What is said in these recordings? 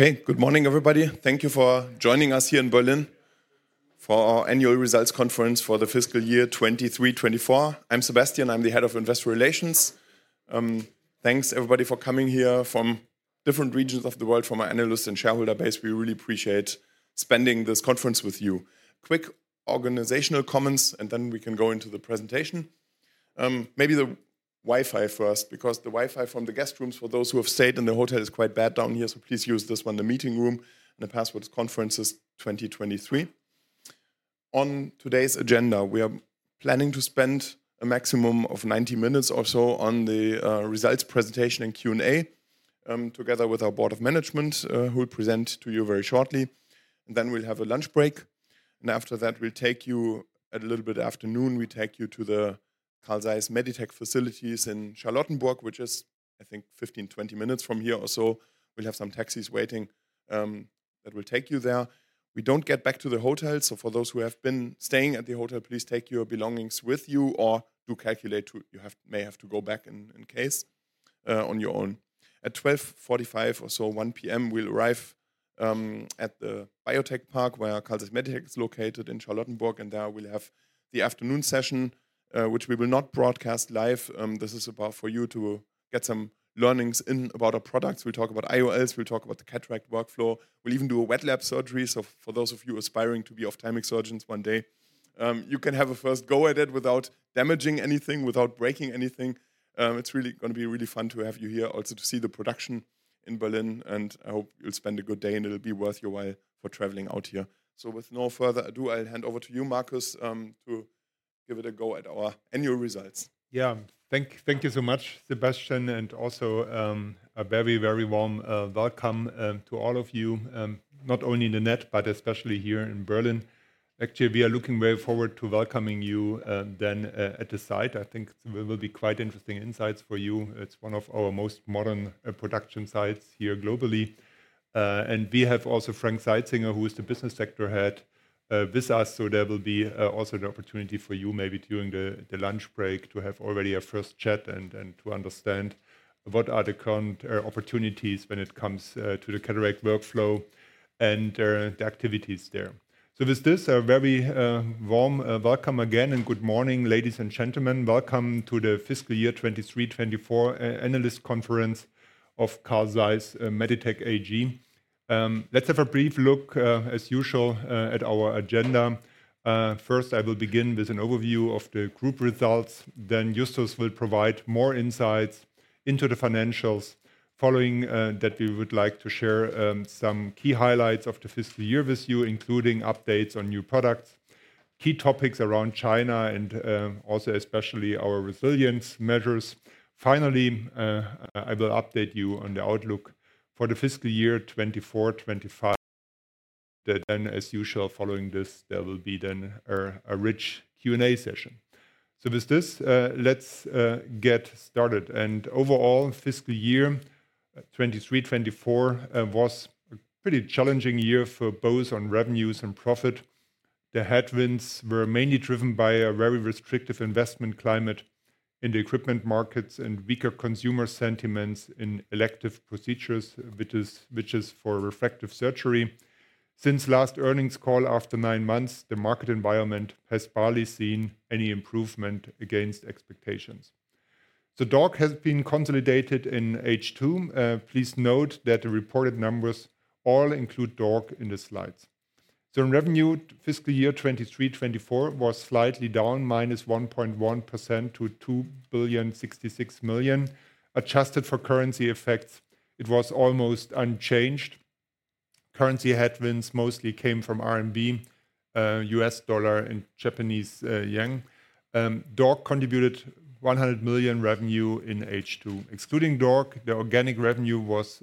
Okay, good morning, everybody. Thank you for joining us here in Berlin for our annual results conference for the fiscal year 2023-2024. I'm Sebastian, I'm the Head of Investor Relations. Thanks everybody for coming here from different regions of the world, from our analysts and shareholder base. We really appreciate spending this conference with you. Quick organizational comments, and then we can go into the presentation. Maybe the Wi-Fi first, because the Wi-Fi from the guest rooms for those who have stayed in the hotel is quite bad down here, so please use this one, the meeting room, and the password is conferences2023. On today's agenda, we are planning to spend a maximum of 90 minutes or so on the results presentation and Q&A, together with our Board of Management, who will present to you very shortly. Then we'll have a lunch break. After that, we'll take you a little bit after noon, we take you to the Carl Zeiss Meditec facilities in Charlottenburg, which is, I think, 15-20 minutes from here or so. We'll have some taxis waiting, that will take you there. We don't get back to the hotel, so for those who have been staying at the hotel, please take your belongings with you or do calculate to, you have, may have to go back in, in case, on your own. At 12:45 P.M. or so, 1:00 P.M., we'll arrive at the Biotech Park, where Carl Zeiss Meditec is located in Charlottenburg, and there we'll have the afternoon session, which we will not broadcast live. This is about for you to get some learnings in about our products. We'll talk about IOLs, we'll talk about the cataract workflow, we'll even do a wet lab surgery. So for those of you aspiring to be ophthalmic surgeons one day, you can have a first go at it without damaging anything, without breaking anything. It's really gonna be really fun to have you here also to see the production in Berlin, and I hope you'll spend a good day and it'll be worth your while for traveling out here. So with no further ado, I'll hand over to you, Markus, to give it a go at our annual results. Yeah, thank you so much, Sebastian, and also a very warm welcome to all of you, not only in the net, but especially here in Berlin. Actually, we are looking very forward to welcoming you at the site. I think there will be quite interesting insights for you. It's one of our most modern production sites here globally. And we have also Frank Seitzinger, who is the Business Sector Head, with us, so there will be also the opportunity for you maybe during the lunch break to have already a first chat and to understand what are the current opportunities when it comes to the cataract workflow and the activities there. So with this, a very warm welcome again and good morning, ladies and gentlemen. Welcome to the fiscal year 2023-2024 analyst conference of Carl Zeiss Meditec AG. Let's have a brief look, as usual, at our agenda. First, I will begin with an overview of the group results, then Justus will provide more insights into the financials. Following that, we would like to share some key highlights of the fiscal year with you, including updates on new products, key topics around China, and also especially our resilience measures. Finally, I will update you on the outlook for the fiscal year 2024-2025. Then, as usual, following this, there will be then a rich Q&A session. So with this, let's get started. And overall, fiscal year 2023-2024 was a pretty challenging year for both on revenues and profit. The headwinds were mainly driven by a very restrictive investment climate in the equipment markets and weaker consumer sentiments in elective procedures, which is for refractive surgery. Since last earnings call after nine months, the market environment has barely seen any improvement against expectations, so DORC has been consolidated in H2. Please note that the reported numbers all include DORC in the slides, so in revenue, fiscal year 2023-2024 was slightly down, -1.1% to 2.066 billion, adjusted for currency effects. It was almost unchanged. Currency headwinds mostly came from RMB, U.S. dollar, and Japanese yen. DORC contributed 100 million revenue in H2. Excluding DORC, the organic revenue was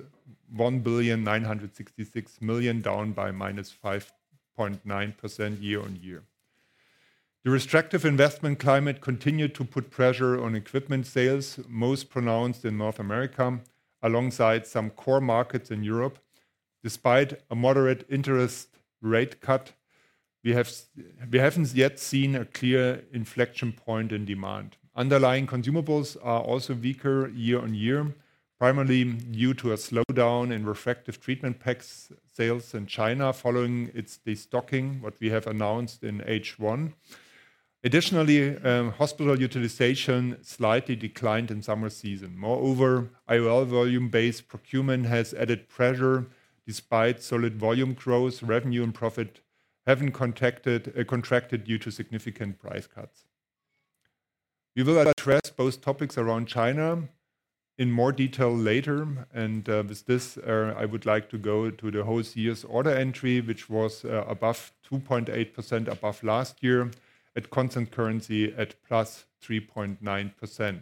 1.966 billion, down by -5.9% year-on-year. The restrictive investment climate continued to put pressure on equipment sales, most pronounced in North America, alongside some core markets in Europe. Despite a moderate interest rate cut, we haven't yet seen a clear inflection point in demand. Underlying consumables are also weaker year-on-year, primarily due to a slowdown in refractive treatment packs sales in China following its destocking, what we have announced in H1. Additionally, hospital utilization slightly declined in summer season. Moreover, IOL volume-based procurement has added pressure despite solid volume growth. Revenue and profit haven't contracted due to significant price cuts. We will address both topics around China in more detail later. With this, I would like to go to the whole year's order entry, which was 2.8% above last year at constant currency, +3.9%.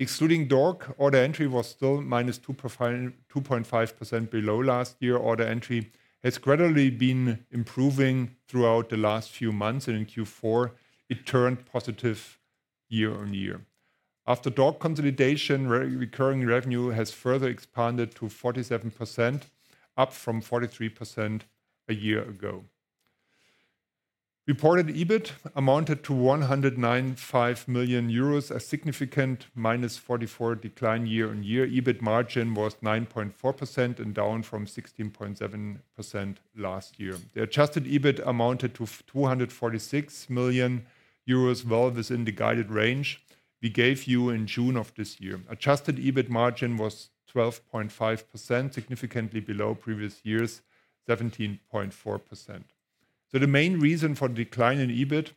Excluding DORC, order entry was still -2.5% below last year. Order entry has gradually been improving throughout the last few months, and in Q4, it turned positive year-on-year. After DORC consolidation, recurring revenue has further expanded to 47%, up from 43% a year ago. Reported EBIT amounted to 109.5 million euros, a significant -44% decline year-on-year. EBIT margin was 9.4% and down from 16.7% last year. The adjusted EBIT amounted to 246 million euros, well within the guided range we gave you in June of this year. Adjusted EBIT margin was 12.5%, significantly below previous year's 17.4%. So the main reason for the decline in EBIT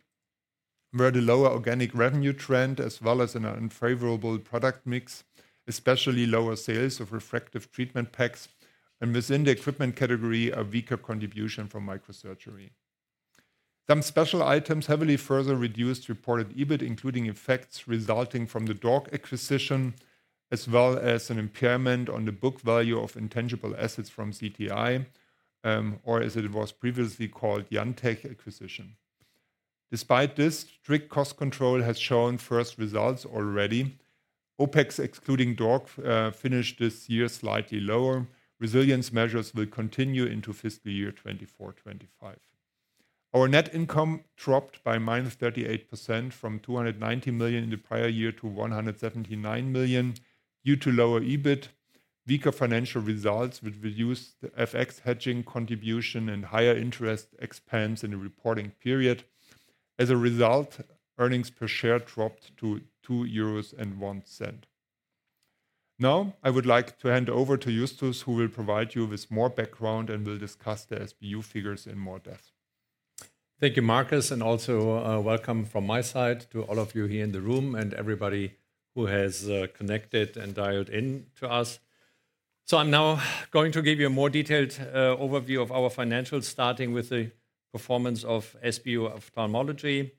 were the lower organic revenue trend as well as an unfavorable product mix, especially lower sales of refractive treatment packs, and within the equipment category, a weaker contribution from microsurgery. Some special items heavily further reduced reported EBIT, including effects resulting from the DORC acquisition, as well as an impairment on the book value of intangible assets from CTI, or as it was previously called, IanTECH acquisition. Despite this, strict cost control has shown first results already. OpEx excluding DORC finished this year slightly lower. Resilience measures will continue into fiscal year 2024-2025. Our net income dropped by -38% from 290 million in the prior year to 179 million due to lower EBIT. Weaker financial results would reduce the FX hedging contribution and higher interest expense in the reporting period. As a result, earnings per share dropped to 2.01 euros. Now, I would like to hand over to Justus, who will provide you with more background and will discuss the SBU figures in more depth. Thank you, Markus, and also, welcome from my side to all of you here in the room and everybody who has connected and dialed in to us. So I'm now going to give you a more detailed overview of our financials, starting with the performance of SBU Ophthalmology.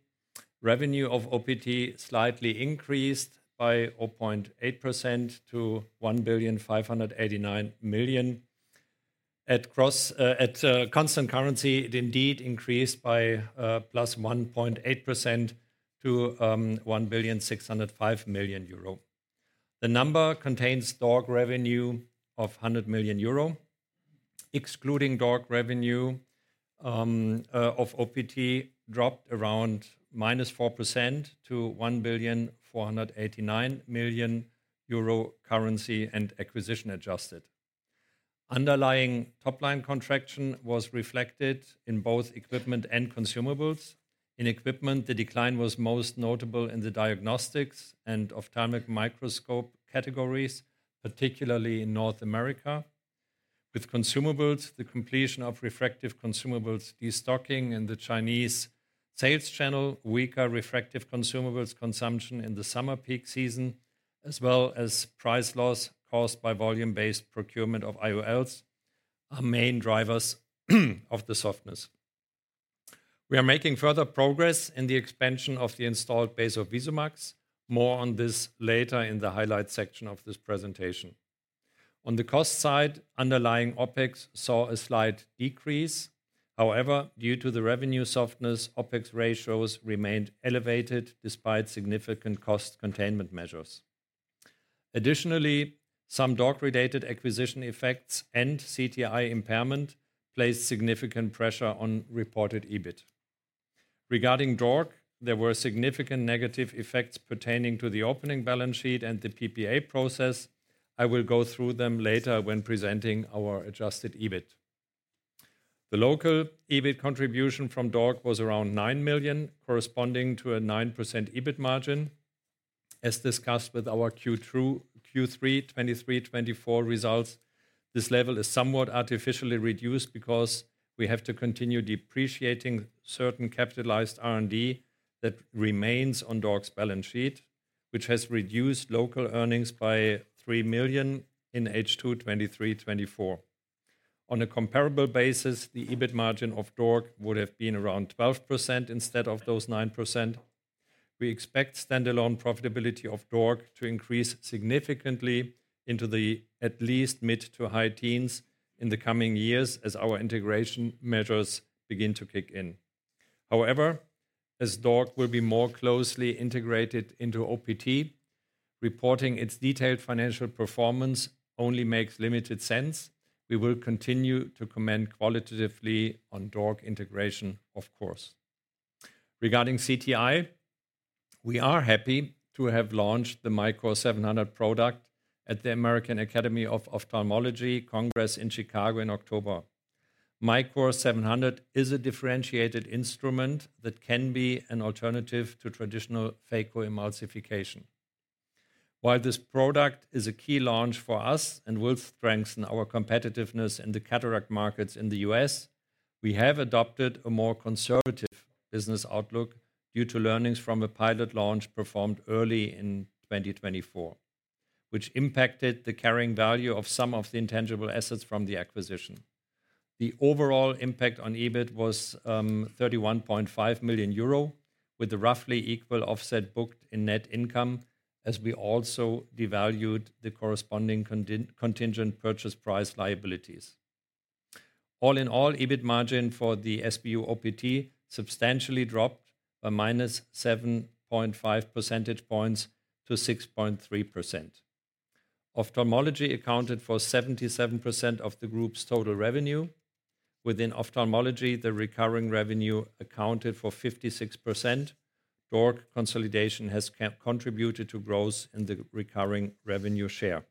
Revenue of Ophthalmology slightly increased by 0.8% to 1.589 billion. At CER, at constant currency, it indeed increased by +1.8% to 1.605 billion. The number contains DORC revenue of 100 million euro. Excluding DORC revenue, ophthalmics dropped around -4% to 1.489 billion, currency- and acquisition-adjusted. Underlying top line contraction was reflected in both equipment and consumables. In equipment, the decline was most notable in the diagnostics and ophthalmic microscope categories, particularly in North America. With consumables, the completion of refractive consumables destocking in the Chinese sales channel, weaker refractive consumables consumption in the summer peak season, as well as price loss caused by volume-based procurement of IOLs are main drivers of the softness. We are making further progress in the expansion of the installed base of VISUMAX. More on this later in the highlight section of this presentation. On the cost side, underlying OpEx saw a slight decrease. However, due to the revenue softness, OpEx ratios remained elevated despite significant cost containment measures. Additionally, some DORC-related acquisition effects and CTI impairment placed significant pressure on reported EBIT. Regarding DORC, there were significant negative effects pertaining to the opening balance sheet and the PPA process. I will go through them later when presenting our adjusted EBIT. The local EBIT contribution from DORC was around 9 million, corresponding to a 9% EBIT margin. As discussed with our Q3 2023-24 results, this level is somewhat artificially reduced because we have to continue depreciating certain capitalized R&D that remains on DORC's balance sheet, which has reduced local earnings by 3 million in H2 2023-2024. On a comparable basis, the EBIT margin of DORC would have been around 12% instead of those 9%. We expect standalone profitability of DORC to increase significantly into the at least mid to high teens in the coming years as our integration measures begin to kick in. However, as DORC will be more closely integrated into OPT, reporting its detailed financial performance only makes limited sense. We will continue to comment qualitatively on DORC integration, of course. Regarding CTI, we are happy to have launched the MICOR 700 product at the American Academy of Ophthalmology Congress in Chicago in October. MICOR 700 is a differentiated instrument that can be an alternative to traditional phacoemulsification. While this product is a key launch for us and will strengthen our competitiveness in the cataract markets in the U.S., we have adopted a more conservative business outlook due to learnings from a pilot launch performed early in 2024, which impacted the carrying value of some of the intangible assets from the acquisition. The overall impact on EBIT was 31.5 million euro, with a roughly equal offset booked in net income as we also devalued the corresponding contingent purchase price liabilities. All in all, EBIT margin for the SBU OPT substantially dropped by -7.5 percentage points to 6.3%. Ophthalmology accounted for 77% of the group's total revenue. Within ophthalmology, the recurring revenue accounted for 56%. D.O.R.C. consolidation has contributed to growth in the recurring revenue share.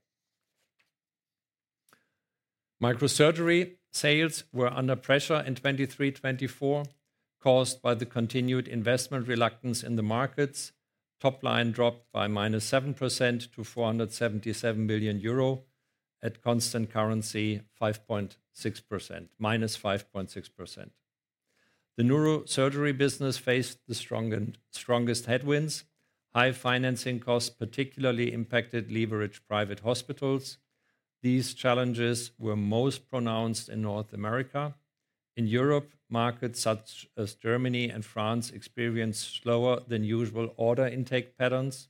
Microsurgery sales were under pressure in 2023-2024, caused by the continued investment reluctance in the markets. Top line dropped by -7% to 477 million euro at constant currency 5.6%, -5.6%. The neurosurgery business faced the strongest headwinds. High financing costs particularly impacted leveraged private hospitals. These challenges were most pronounced in North America. In Europe, markets such as Germany and France experienced slower than usual order intake patterns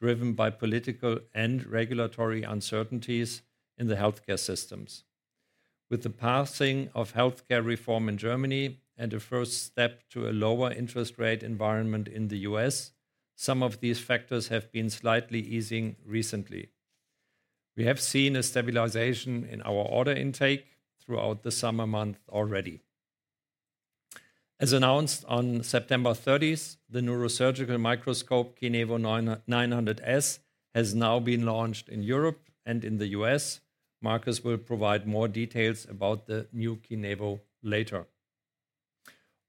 driven by political and regulatory uncertainties in the healthcare systems. With the passing of healthcare reform in Germany and a first step to a lower interest rate environment in the U.S., some of these factors have been slightly easing recently. We have seen a stabilization in our order intake throughout the summer months already. As announced on September 30th, the neurosurgical microscope KINEVO 900 S has now been launched in Europe and in the U.S. Markus will provide more details about the new KINEVO later.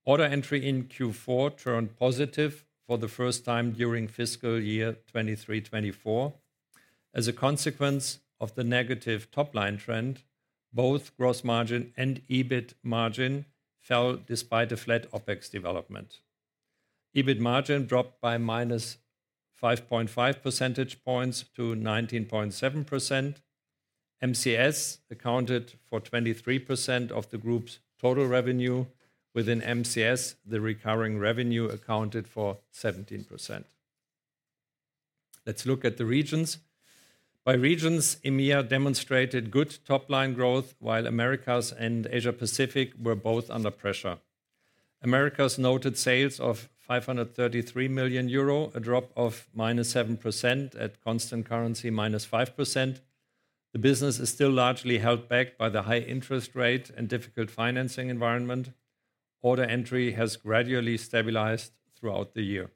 Order entry in Q4 turned positive for the first time during fiscal year 2023-2024. As a consequence of the negative top line trend, both gross margin and EBIT margin fell despite a flat OpEx development. EBIT margin dropped by -5.5 percentage points to 19.7%. MCS accounted for 23% of the group's total revenue. Within MCS, the recurring revenue accounted for 17%. Let's look at the regions. By regions, EMEA demonstrated good top line growth while Americas and Asia-Pacific were both under pressure. Americas noted sales of 533 million euro, a drop of -7% at constant currency -5%. The business is still largely held back by the high interest rate and difficult financing environment. Order entry has gradually stabilized throughout the year.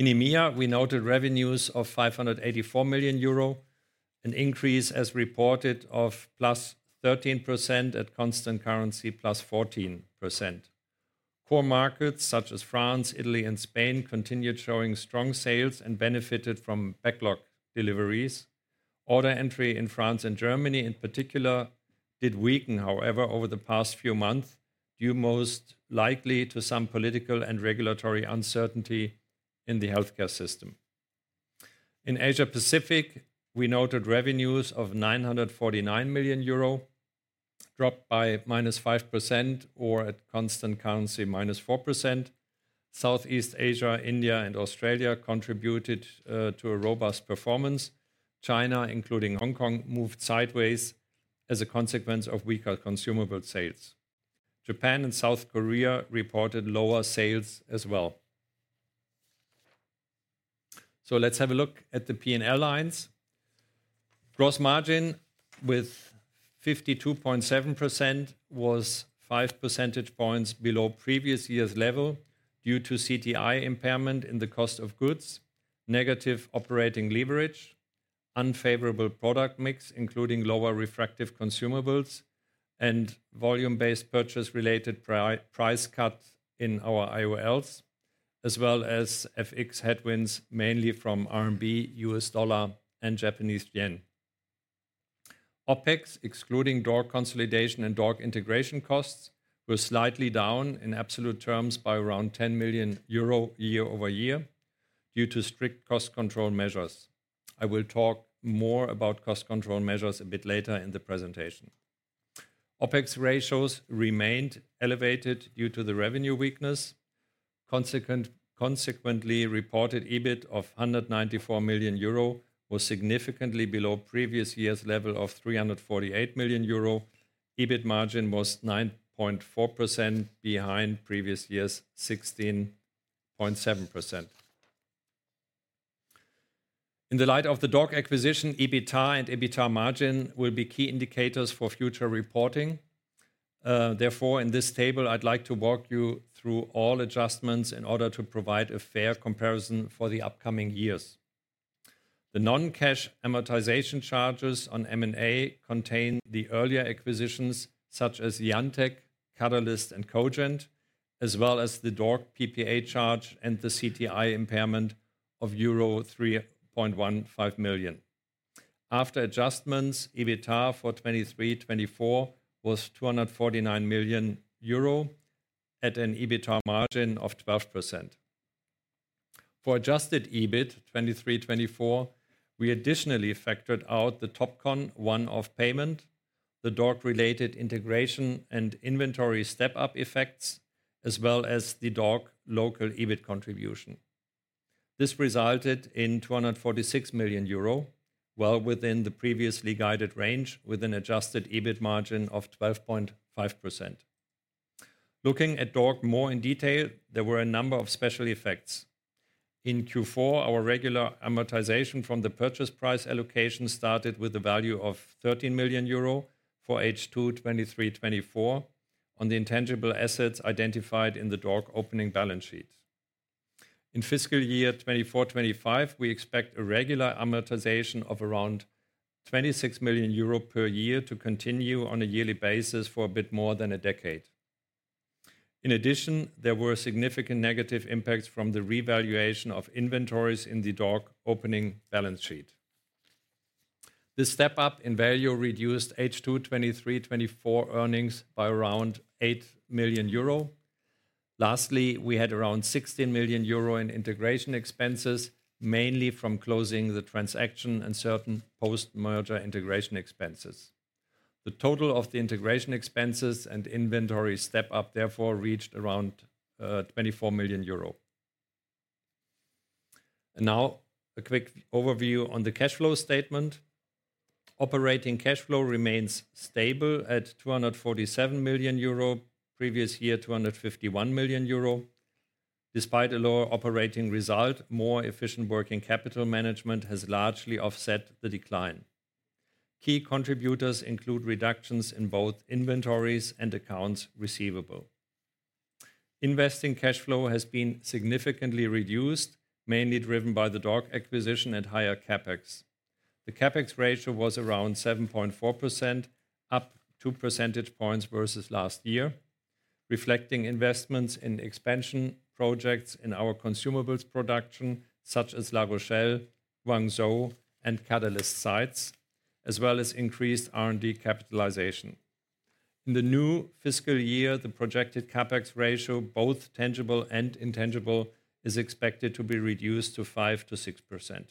In EMEA, we noted revenues of 584 million euro, an increase as reported of +13% at constant currency +14%. Core markets such as France, Italy, and Spain continued showing strong sales and benefited from backlog deliveries. Order entry in France and Germany in particular did weaken, however, over the past few months due most likely to some political and regulatory uncertainty in the healthcare system. In Asia-Pacific, we noted revenues of 949 million euro, dropped by -5% or at constant currency -4%. Southeast Asia, India, and Australia contributed to a robust performance. China, including Hong Kong, moved sideways as a consequence of weaker consumable sales. Japan and South Korea reported lower sales as well. So let's have a look at the P&L lines. Gross margin with 52.7% was 5 percentage points below previous year's level due to CTI impairment in the cost of goods, negative operating leverage, unfavorable product mix including lower refractive consumables, and volume-based procurement-related price cuts in our IOLs, as well as FX headwinds mainly from RMB, U.S. dollar, and Japanese yen. OpEx, excluding DORC consolidation and DORC integration costs, were slightly down in absolute terms by around 10 million euro year-over-year due to strict cost control measures. I will talk more about cost control measures a bit later in the presentation. OPEX ratios remained elevated due to the revenue weakness. Consequently, reported EBIT of 194 million euro was significantly below previous year's level of 348 million euro. EBIT margin was 9.4% behind previous year's 16.7%. In the light of the DORC acquisition, EBITA and EBITA margin will be key indicators for future reporting. Therefore, in this table, I'd like to walk you through all adjustments in order to provide a fair comparison for the upcoming years. The non-cash amortization charges on M&A contain the earlier acquisitions such as IanTECH, Katalyst, and Kogent, as well as the DORC PPA charge and the CTI impairment of euro 3.15 million. After adjustments, EBITA for 2023-2024 was 249 million euro at an EBITA margin of 12%. For adjusted EBIT 2023-2024, we additionally factored out the Topcon one-off payment, the DORC-related integration and inventory step-up effects, as well as the DORC local EBIT contribution. This resulted in 246 million euro, well within the previously guided range with an adjusted EBIT margin of 12.5%. Looking at DORC more in detail, there were a number of special effects. In Q4, our regular amortization from the purchase price allocation started with a value of 13 million euro for H2 2023-2024 on the intangible assets identified in the DORC opening balance sheet. In fiscal year 2024-2025, we expect a regular amortization of around 26 million euro per year to continue on a yearly basis for a bit more than a decade. In addition, there were significant negative impacts from the revaluation of inventories in the DORC opening balance sheet. This step-up in value reduced H2 2023-2024 earnings by around 8 million euro. Lastly, we had around 16 million euro in integration expenses, mainly from closing the transaction and certain post-merger integration expenses. The total of the integration expenses and inventory step-up therefore reached around 24 million euro. Now a quick overview on the cash flow statement. Operating cash flow remains stable at 247 million euro, previous year 251 million euro. Despite a lower operating result, more efficient working capital management has largely offset the decline. Key contributors include reductions in both inventories and accounts receivable. Investing cash flow has been significantly reduced, mainly driven by the DORC acquisition at higher CapEx. The CapEx ratio was around 7.4%, up 2 percentage points versus last year, reflecting investments in expansion projects in our consumables production such as La Rochelle, Guangzhou, and Katalyst sites, as well as increased R&D capitalization. In the new fiscal year, the projected CapEx ratio, both tangible and intangible, is expected to be reduced to 5%-6%.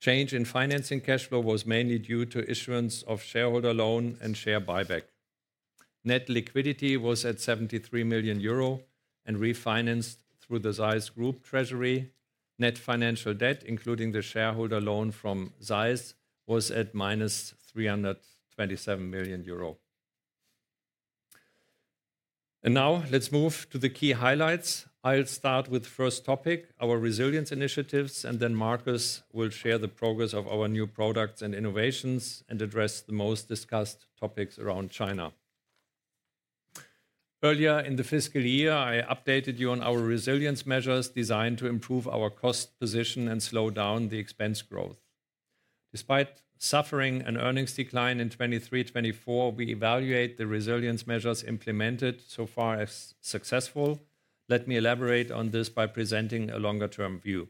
Change in financing cash flow was mainly due to issuance of shareholder loan and share buyback. Net liquidity was at 73 million euro and refinanced through the Zeiss Group Treasury. Net financial debt, including the shareholder loan from Zeiss, was at -327 million euro. And now let's move to the key highlights. I'll start with the first topic, our resilience initiatives, and then Markus will share the progress of our new products and innovations and address the most discussed topics around China. Earlier in the fiscal year, I updated you on our resilience measures designed to improve our cost position and slow down the expense growth. Despite suffering an earnings decline in 2023-2024, we evaluate the resilience measures implemented so far as successful. Let me elaborate on this by presenting a longer-term view.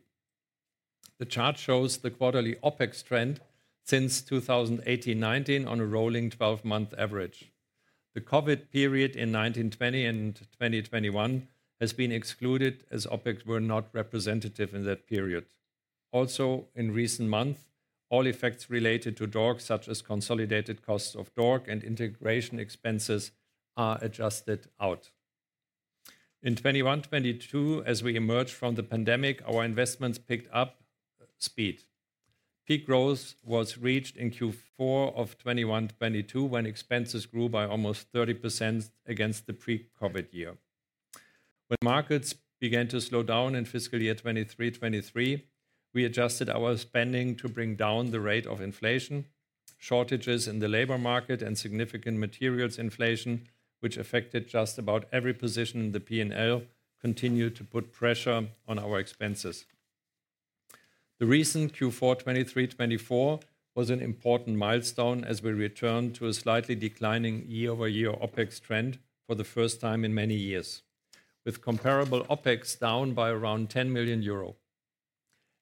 The chart shows the quarterly OpEx trend since 2018-2019 on a rolling 12-month average. The COVID period in 2020 and 2021 has been excluded as OpEx were not representative in that period. Also, in recent months, all effects related to D.O.R.C., such as consolidated costs of D.O.R.C. and integration expenses, are adjusted out. In 2021-2022, as we emerged from the pandemic, our investments picked up speed. Peak growth was reached in Q4 of 2021-2022 when expenses grew by almost 30% against the pre-COVID year. When markets began to slow down in fiscal year 2022-2023, we adjusted our spending to bring down the rate of inflation. Shortages in the labor market and significant materials inflation, which affected just about every position in the P&L, continued to put pressure on our expenses. The recent Q4 2023-2024 was an important milestone as we returned to a slightly declining year-over-year OpEx trend for the first time in many years, with comparable OpEx down by around 10 million euro.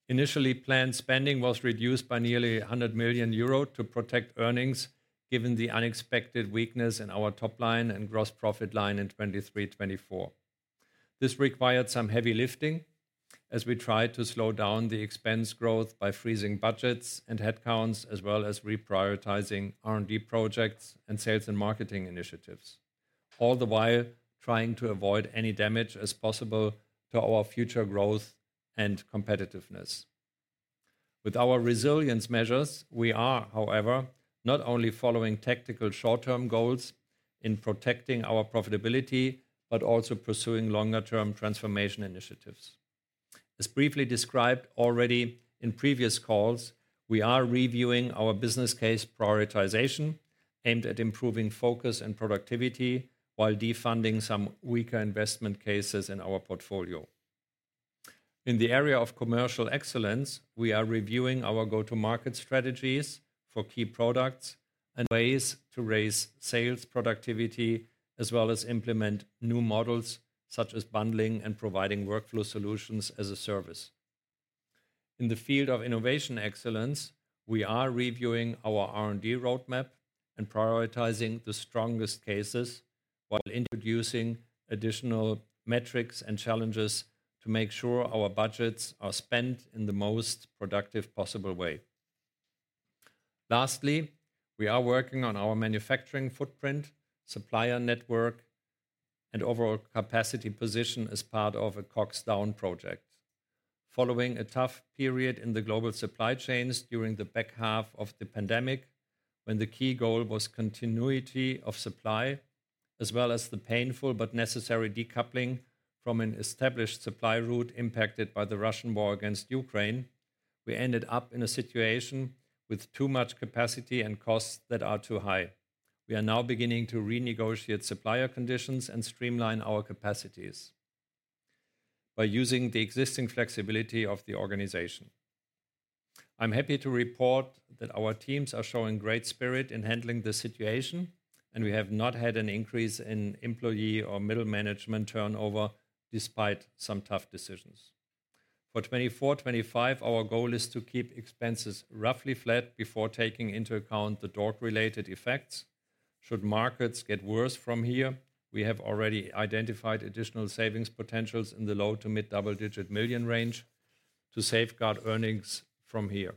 Initially planned spending was reduced by nearly 100 million euro to protect earnings given the unexpected weakness in our top line and gross profit line in 2023-2024. This required some heavy lifting as we tried to slow down the expense growth by freezing budgets and headcounts, as well as reprioritizing R&D projects and sales and marketing initiatives, all the while trying to avoid any damage as possible to our future growth and competitiveness. With our resilience measures, we are, however, not only following tactical short-term goals in protecting our profitability, but also pursuing longer-term transformation initiatives. As briefly described already in previous calls, we are reviewing our business case prioritization aimed at improving focus and productivity while defunding some weaker investment cases in our portfolio. In the area of commercial excellence, we are reviewing our go-to-market strategies for key products and ways to raise sales productivity, as well as implement new models such as bundling and providing workflow solutions as a service. In the field of innovation excellence, we are reviewing our R&D roadmap and prioritizing the strongest cases while introducing additional metrics and challenges to make sure our budgets are spent in the most productive possible way. Lastly, we are working on our manufacturing footprint, supplier network, and overall capacity position as part of a COGS down project. Following a tough period in the global supply chains during the back half of the pandemic, when the key goal was continuity of supply, as well as the painful but necessary decoupling from an established supply route impacted by the Russian war against Ukraine, we ended up in a situation with too much capacity and costs that are too high. We are now beginning to renegotiate supplier conditions and streamline our capacities by using the existing flexibility of the organization. I'm happy to report that our teams are showing great spirit in handling the situation, and we have not had an increase in employee or middle management turnover despite some tough decisions. For 2024-2025, our goal is to keep expenses roughly flat before taking into account the DORC-related effects. Should markets get worse from here, we have already identified additional savings potentials in the low to mid double-digit million range to safeguard earnings from here.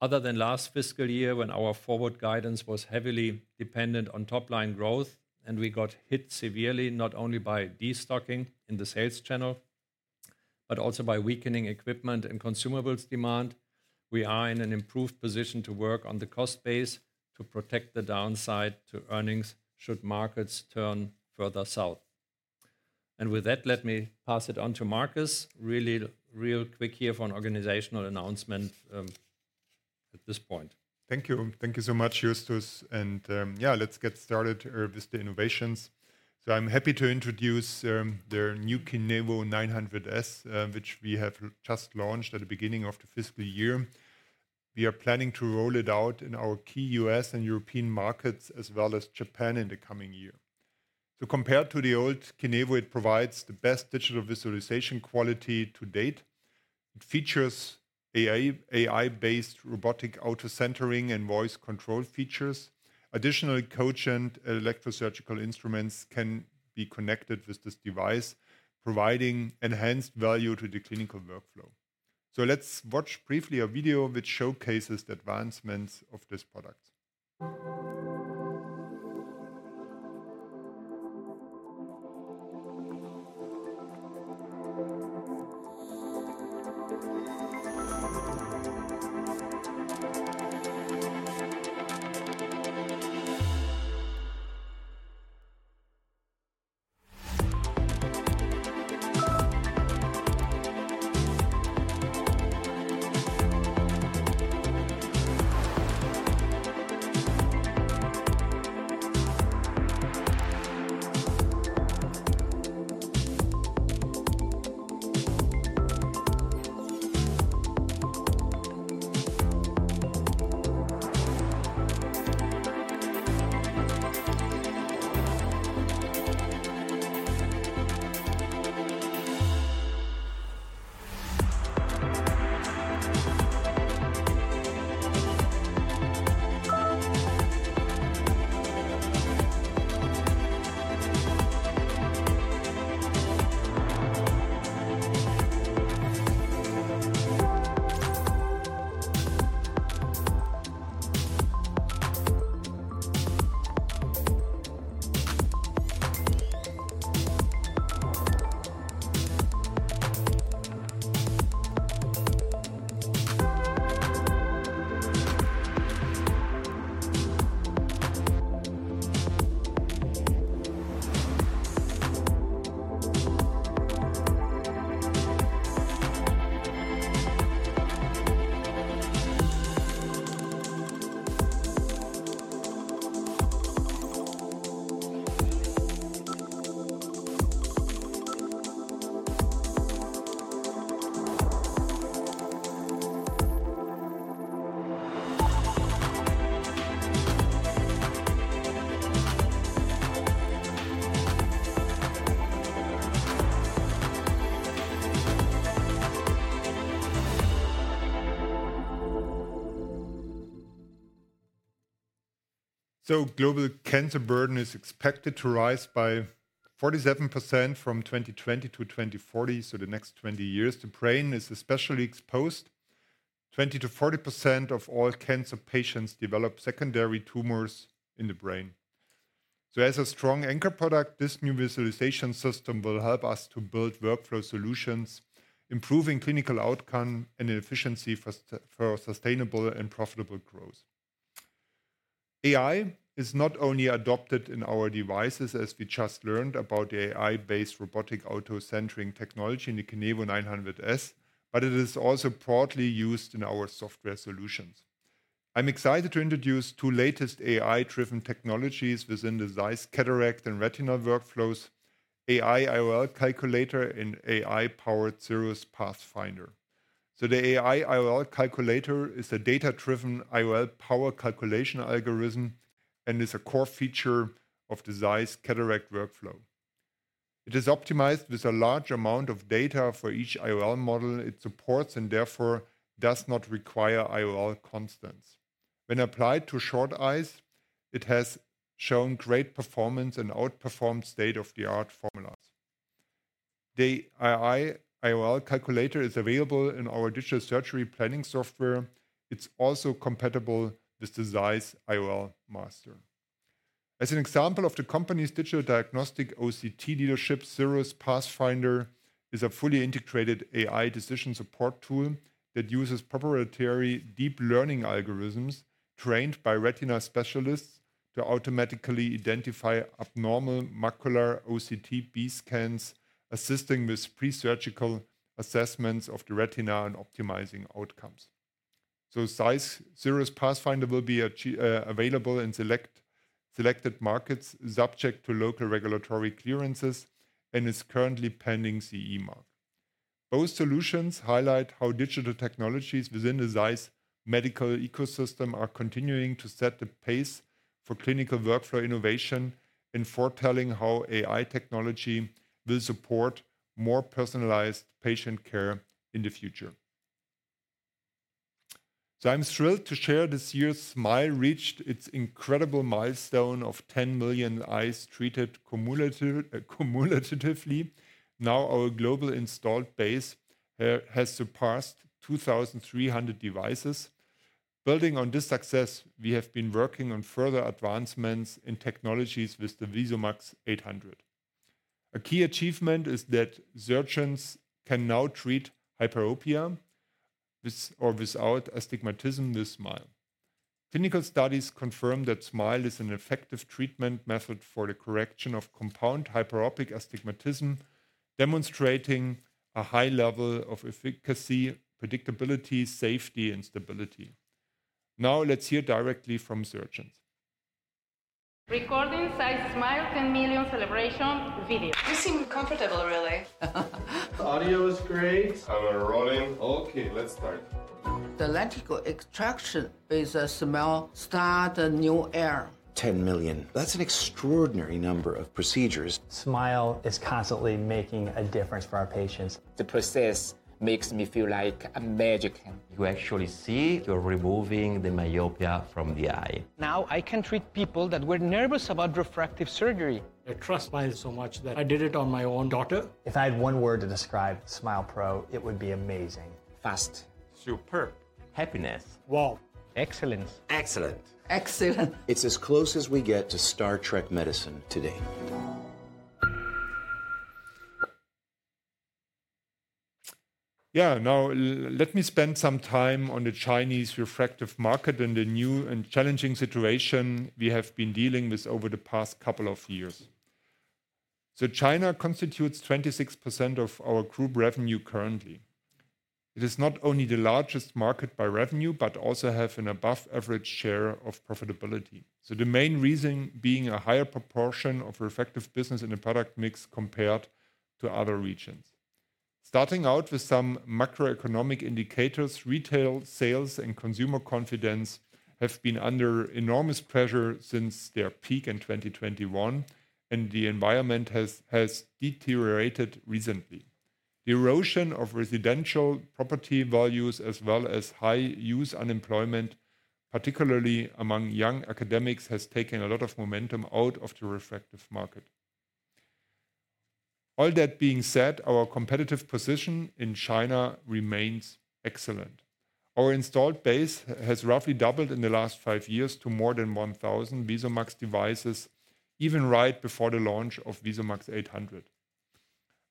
Other than last fiscal year, when our forward guidance was heavily dependent on top line growth and we got hit severely not only by destocking in the sales channel, but also by weakening equipment and consumables demand, we are in an improved position to work on the cost base to protect the downside to earnings should markets turn further south. And with that, let me pass it on to Markus. Really real quick here for an organizational announcement at this point. Thank you. Thank you so much, Justus. And yeah, let's get started with the innovations. So I'm happy to introduce the new KINEVO 900 S, which we have just launched at the beginning of the fiscal year. We are planning to roll it out in our key U.S. and European markets, as well as Japan in the coming year. Compared to the old KINEVO, it provides the best digital visualization quality to date. It features AI-based Robotic Auto-Centering and voice control features. Additionally, Kogent electrosurgical instruments can be connected with this device, providing enhanced value to the clinical workflow. Let's watch briefly a video which showcases the advancements of this product. Global cancer burden is expected to rise by 47% from 2020 to 2040, so the next 20 years. The brain is especially exposed. 20%-40% of all cancer patients develop secondary tumors in the brain. As a strong anchor product, this new visualization system will help us to build workflow solutions, improving clinical outcome and efficiency for sustainable and profitable growth. AI is not only adopted in our devices, as we just learned about the AI-based Robotic Auto-Centering technology in the KINEVO 900, but it is also broadly used in our software solutions. I'm excited to introduce two latest AI-driven technologies within the Zeiss Cataract and Retina workflows: AI IOL Calculator and AI-powered CIRRUS Pathfinder. So the AI IOL Calculator is a data-driven IOL power calculation algorithm and is a core feature of the Zeiss Cataract workflow. It is optimized with a large amount of data for each IOL model it supports and therefore does not require IOL constants. When applied to short eyes, it has shown great performance and outperformed state-of-the-art formulas. The AI IOL Calculator is available in our digital surgery planning software. It's also compatible with the Zeiss IOLMaster. As an example of the company's digital diagnostic OCT leadership, CIRRUS Pathfinder is a fully integrated AI decision support tool that uses proprietary deep learning algorithms trained by retina specialists to automatically identify abnormal macular OCT B-scans, assisting with pre-surgical assessments of the retina and optimizing outcomes. ZEISS CIRRUS Pathfinder will be available in selected markets, subject to local regulatory clearances, and is currently pending CE mark. Both solutions highlight how digital technologies within the ZEISS medical ecosystem are continuing to set the pace for clinical workflow innovation and foretelling how AI technology will support more personalized patient care in the future. I'm thrilled to share this year's SMILE reached its incredible milestone of 10 million eyes treated cumulatively. Now our global installed base has surpassed 2,300 devices. Building on this success, we have been working on further advancements in technologies with the VISUMAX 800. A key achievement is that surgeons can now treat hyperopia with or without astigmatism with SMILE. Clinical studies confirm that SMILE is an effective treatment method for the correction of compound hyperopic astigmatism, demonstrating a high level of efficacy, predictability, safety, and stability. Now let's hear directly from surgeons. Recording Zeiss SMILE 10 million celebration video. You seem comfortable, really. The audio is great. I'm rolling. Okay, let's start. The lenticule extraction with a SMILE starts a new era. 10 million. That's an extraordinary number of procedures. SMILE is constantly making a difference for our patients. The process makes me feel like a magician. You actually see you're removing the myopia from the eye. Now I can treat people that were nervous about refractive surgery. I trust SMILE so much that I did it on my own daughter. If I had one word to describe SMILE pro, it would be amazing. Fast. Superb. Happiness. Wow. Excellence. Excellent. Excellent. It's as close as we get to Star Trek medicine today. Yeah, now let me spend some time on the Chinese refractive market and the new and challenging situation we have been dealing with over the past couple of years. So China constitutes 26% of our group revenue currently. It is not only the largest market by revenue, but also has an above-average share of profitability. So the main reason being a higher proportion of refractive business in the product mix compared to other regions. Starting out with some macroeconomic indicators, retail sales and consumer confidence have been under enormous pressure since their peak in 2021, and the environment has deteriorated recently. The erosion of residential property values, as well as high youth unemployment, particularly among young academics, has taken a lot of momentum out of the refractive market. All that being said, our competitive position in China remains excellent. Our installed base has roughly doubled in the last five years to more than 1,000 VISUMAX devices, even right before the launch of VISUMAX 800.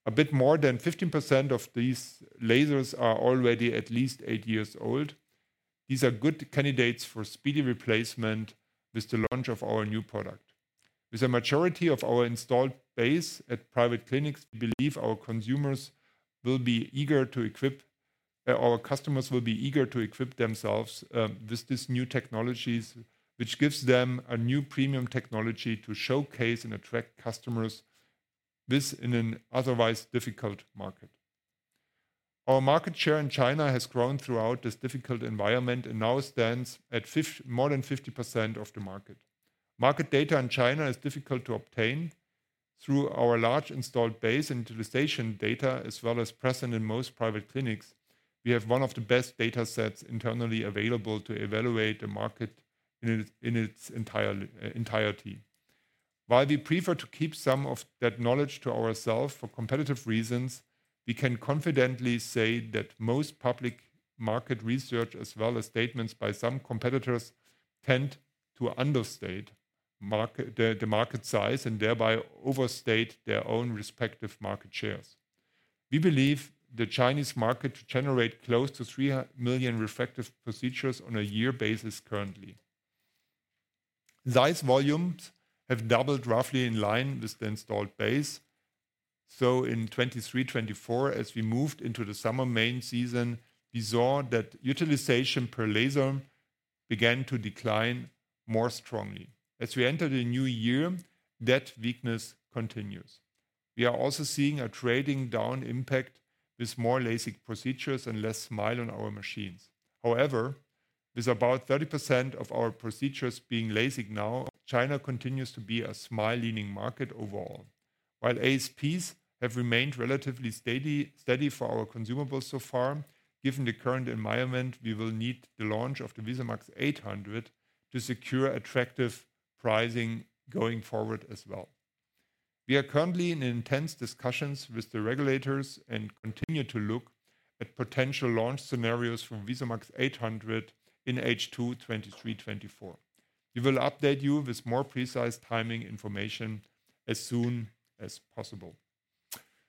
A bit more than 15% of these lasers are already at least eight years old. These are good candidates for speedy replacement with the launch of our new product. With a majority of our installed base at private clinics, we believe our consumers will be eager to equip, our customers will be eager to equip themselves with these new technologies, which gives them a new premium technology to showcase and attract customers in an otherwise difficult market. Our market share in China has grown throughout this difficult environment and now stands at more than 50% of the market. Market data in China is difficult to obtain. Through our large installed base and utilization data, as well as present in most private clinics, we have one of the best data sets internally available to evaluate the market in its entirety. While we prefer to keep some of that knowledge to ourselves for competitive reasons, we can confidently say that most public market research, as well as statements by some competitors, tend to understate the market size and thereby overstate their own respective market shares. We believe the Chinese market to generate close to 3 million refractive procedures on a year basis currently. Zeiss volumes have doubled roughly in line with the installed base. So in 2023-2024, as we moved into the summer main season, we saw that utilization per laser began to decline more strongly. As we enter the new year, that weakness continues. We are also seeing a trading down impact with more LASIK procedures and less SMILE on our machines. However, with about 30% of our procedures being LASIK now, China continues to be a SMILE-leaning market overall. While ASPs have remained relatively steady for our consumables so far, given the current environment, we will need the launch of the VISUMAX 800 to secure attractive pricing going forward as well. We are currently in intense discussions with the regulators and continue to look at potential launch scenarios for VISUMAX 800 in H2 2023-2024. We will update you with more precise timing information as soon as possible.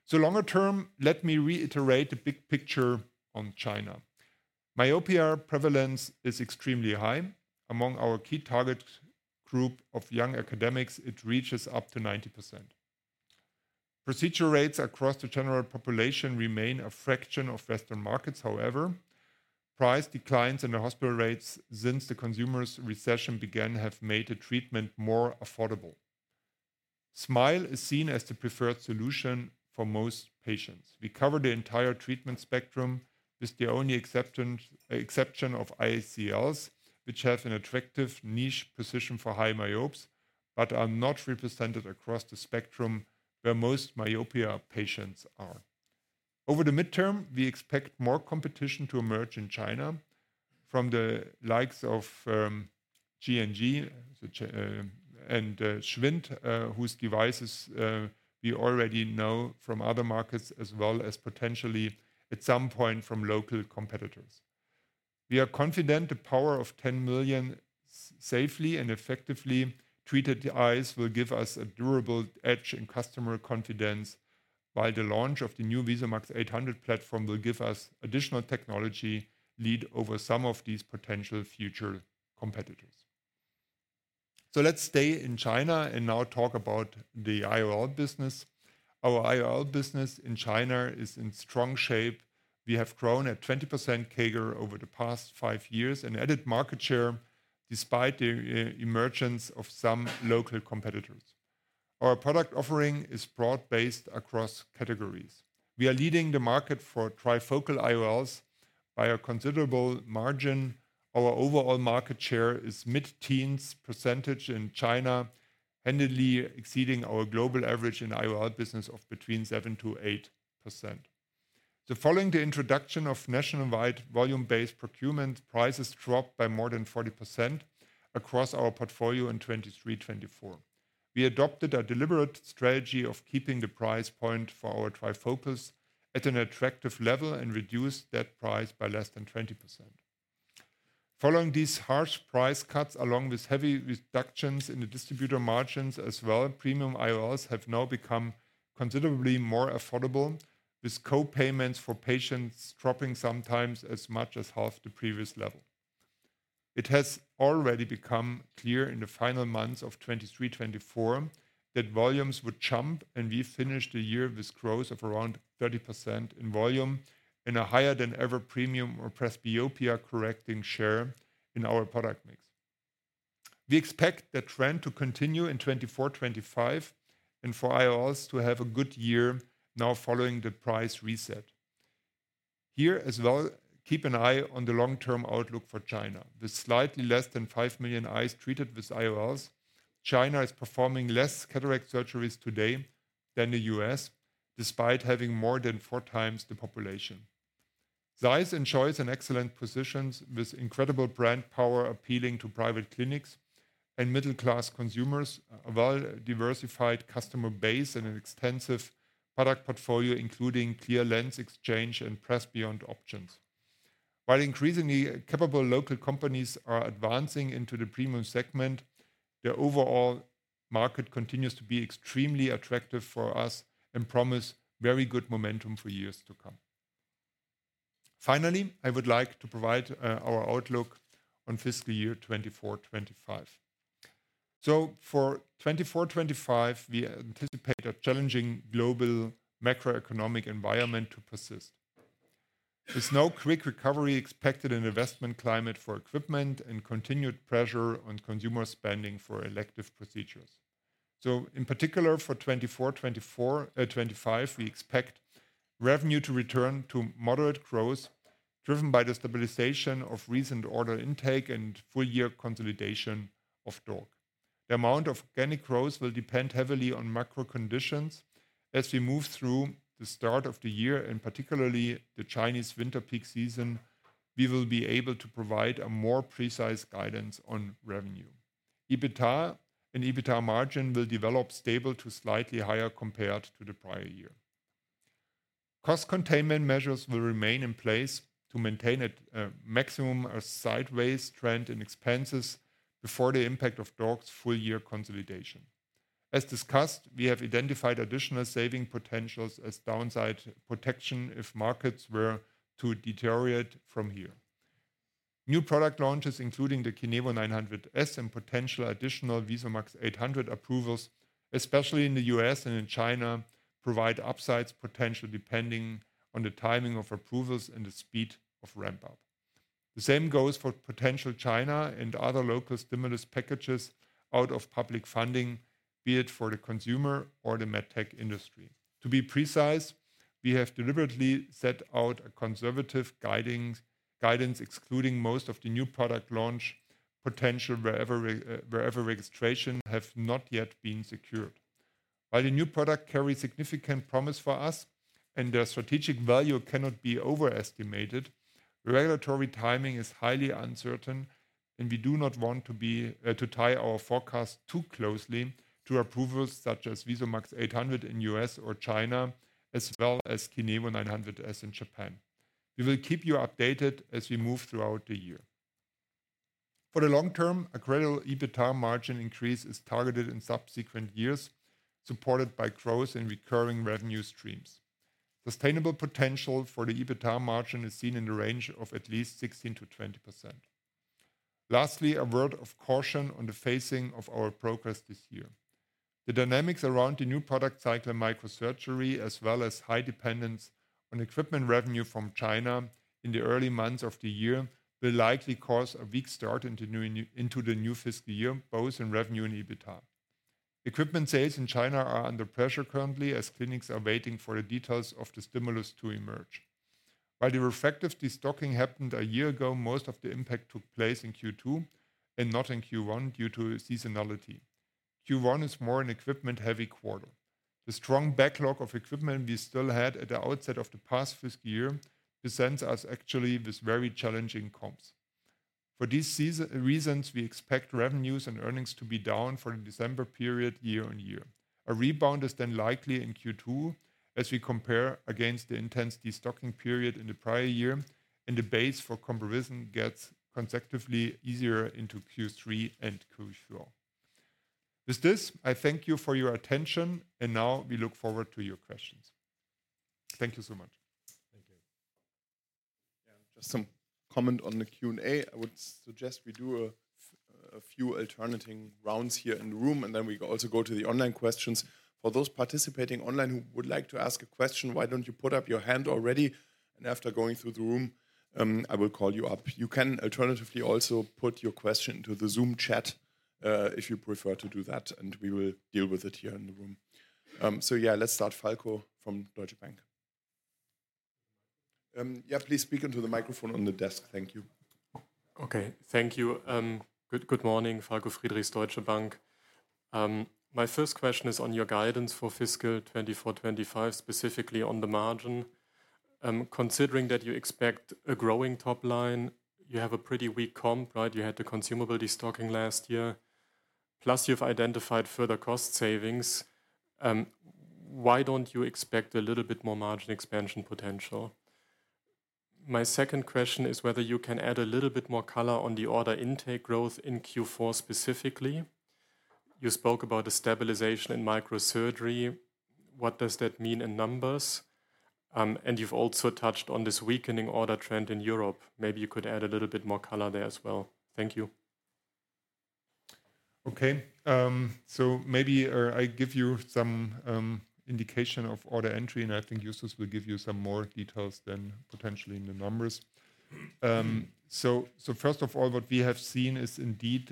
So longer term, let me reiterate the big picture on China. Myopia prevalence is extremely high. Among our key target group of young academics, it reaches up to 90%. Procedure rates across the general population remain a fraction of Western markets. However, price declines in the hospital rates since the consumers' recession began have made the treatment more affordable. SMILE is seen as the preferred solution for most patients. We cover the entire treatment spectrum with the only exception of ICLs, which have an attractive niche position for high myopes, but are not represented across the spectrum where most myopia patients are. Over the midterm, we expect more competition to emerge in China from the likes of J&J and SCHWIND, whose devices we already know from other markets, as well as potentially at some point from local competitors. We are confident the power of 10 million safely and effectively treated eyes will give us a durable edge in customer confidence, while the launch of the new VISUMAX 800 platform will give us additional technology lead over some of these potential future competitors. So let's stay in China and now talk about the IOL business. Our IOL business in China is in strong shape. We have grown at 20% CAGR over the past five years and added market share despite the emergence of some local competitors. Our product offering is broad-based across categories. We are leading the market for trifocal IOLs by a considerable margin. Our overall market share is mid-teens % in China, handily exceeding our global average in IOL business of between 7% to 8%. Following the introduction of nationwide volume-based procurement, prices dropped by more than 40% across our portfolio in 2023-2024. We adopted a deliberate strategy of keeping the price point for our trifocals at an attractive level and reduced that price by less than 20%. Following these harsh price cuts, along with heavy reductions in the distributor margins as well, premium IOLs have now become considerably more affordable, with co-payments for patients dropping sometimes as much as half the previous level. It has already become clear in the final months of 2023-2024 that volumes would jump, and we finished the year with growth of around 30% in volume and a higher-than-ever premium or presbyopia-correcting share in our product mix. We expect that trend to continue in 2024-2025 and for IOLs to have a good year now following the price reset. Here as well, keep an eye on the long-term outlook for China. With slightly less than 5 million eyes treated with IOLs, China is performing less cataract surgeries today than the U.S., despite having more than four times the population. Zeiss enjoys an excellent position with incredible brand power appealing to private clinics and middle-class consumers, a well-diversified customer base, and an extensive product portfolio, including clear lens exchange and presbyopia options. While increasingly capable local companies are advancing into the premium segment, the overall market continues to be extremely attractive for us and promises very good momentum for years to come. Finally, I would like to provide our outlook on fiscal year 2024-2025. So for 2024-2025, we anticipate a challenging global macroeconomic environment to persist. There's no quick recovery expected in the investment climate for equipment and continued pressure on consumer spending for elective procedures. So in particular, for 2024-2025, we expect revenue to return to moderate growth driven by the stabilization of recent order intake and full-year consolidation of DORC. The amount of organic growth will depend heavily on macro conditions. As we move through the start of the year, and particularly the Chinese winter peak season, we will be able to provide more precise guidance on revenue. EBITDA and EBITDA margin will develop stable to slightly higher compared to the prior year. Cost containment measures will remain in place to maintain a maximum sideways trend in expenses before the impact of DORC's full-year consolidation. As discussed, we have identified additional saving potentials as downside protection if markets were to deteriorate from here. New product launches, including the KINEVO 900 and potential additional VISUMAX 800 approvals, especially in the U.S. and in China, provide upside potential depending on the timing of approvals and the speed of ramp-up. The same goes for potential China and other local stimulus packages out of public funding, be it for the consumer or the medtech industry. To be precise, we have deliberately set out a conservative guidance excluding most of the new product launch potential wherever registrations have not yet been secured. While the new product carries significant promise for us and their strategic value cannot be overestimated, regulatory timing is highly uncertain, and we do not want to tie our forecast too closely to approvals such as VISUMAX 800 in the U.S. or China, as well as KINEVO 900 in Japan. We will keep you updated as we move throughout the year. For the long term, a credible EBITDA margin increase is targeted in subsequent years, supported by growth and recurring revenue streams. Sustainable potential for the EBITDA margin is seen in the range of at least 16%-20%. Lastly, a word of caution on the phasing of our progress this year. The dynamics around the new product cycle and microsurgery, as well as high dependence on equipment revenue from China in the early months of the year, will likely cause a weak start into the new fiscal year, both in revenue and EBITDA. Equipment sales in China are under pressure currently as clinics are waiting for the details of the stimulus to emerge. While the refractive destocking happened a year ago, most of the impact took place in Q2 and not in Q1 due to seasonality. Q1 is more an equipment-heavy quarter. The strong backlog of equipment we still had at the outset of the past fiscal year presents us actually with very challenging comps. For these reasons, we expect revenues and earnings to be down for the December period year-on-year. A rebound is then likely in Q2 as we compare against the intense destocking period in the prior year, and the base for comparison gets consecutively easier into Q3 and Q4. With this, I thank you for your attention, and now we look forward to your questions. Thank you so much. Thank you. Yeah, just some comment on the Q&A. I would suggest we do a few alternating rounds here in the room, and then we also go to the online questions. For those participating online who would like to ask a question, why don't you put up your hand already? And after going through the room, I will call you up. You can alternatively also put your question into the Zoom chat if you prefer to do that, and we will deal with it here in the room. So yeah, let's start Falko from Deutsche Bank. Yeah, please speak into the microphone on the desk. Thank you. Okay, thank you. Good morning, Falko Friedrichs, Deutsche Bank. My first question is on your guidance for fiscal 2024-2025, specifically on the margin. Considering that you expect a growing top line, you have a pretty weak comp, right? You had the consumable destocking last year. Plus, you've identified further cost savings. Why don't you expect a little bit more margin expansion potential? My second question is whether you can add a little bit more color on the order intake growth in Q4 specifically. You spoke about the stabilization in microsurgery. What does that mean in numbers? And you've also touched on this weakening order trend in Europe. Maybe you could add a little bit more color there as well. Thank you. Okay, so maybe I give you some indication of order entry, and I think Justus will give you some more details than potentially in the numbers. So first of all, what we have seen is indeed,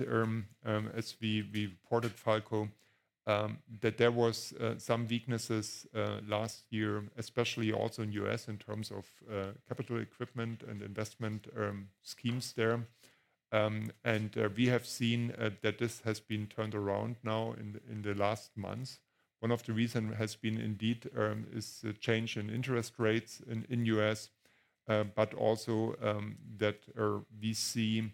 as we reported, Falko, that there were some weaknesses last year, especially also in the U.S. in terms of capital equipment and investment schemes there. And we have seen that this has been turned around now in the last months. One of the reasons has been indeed the change in interest rates in the U.S., but also that we see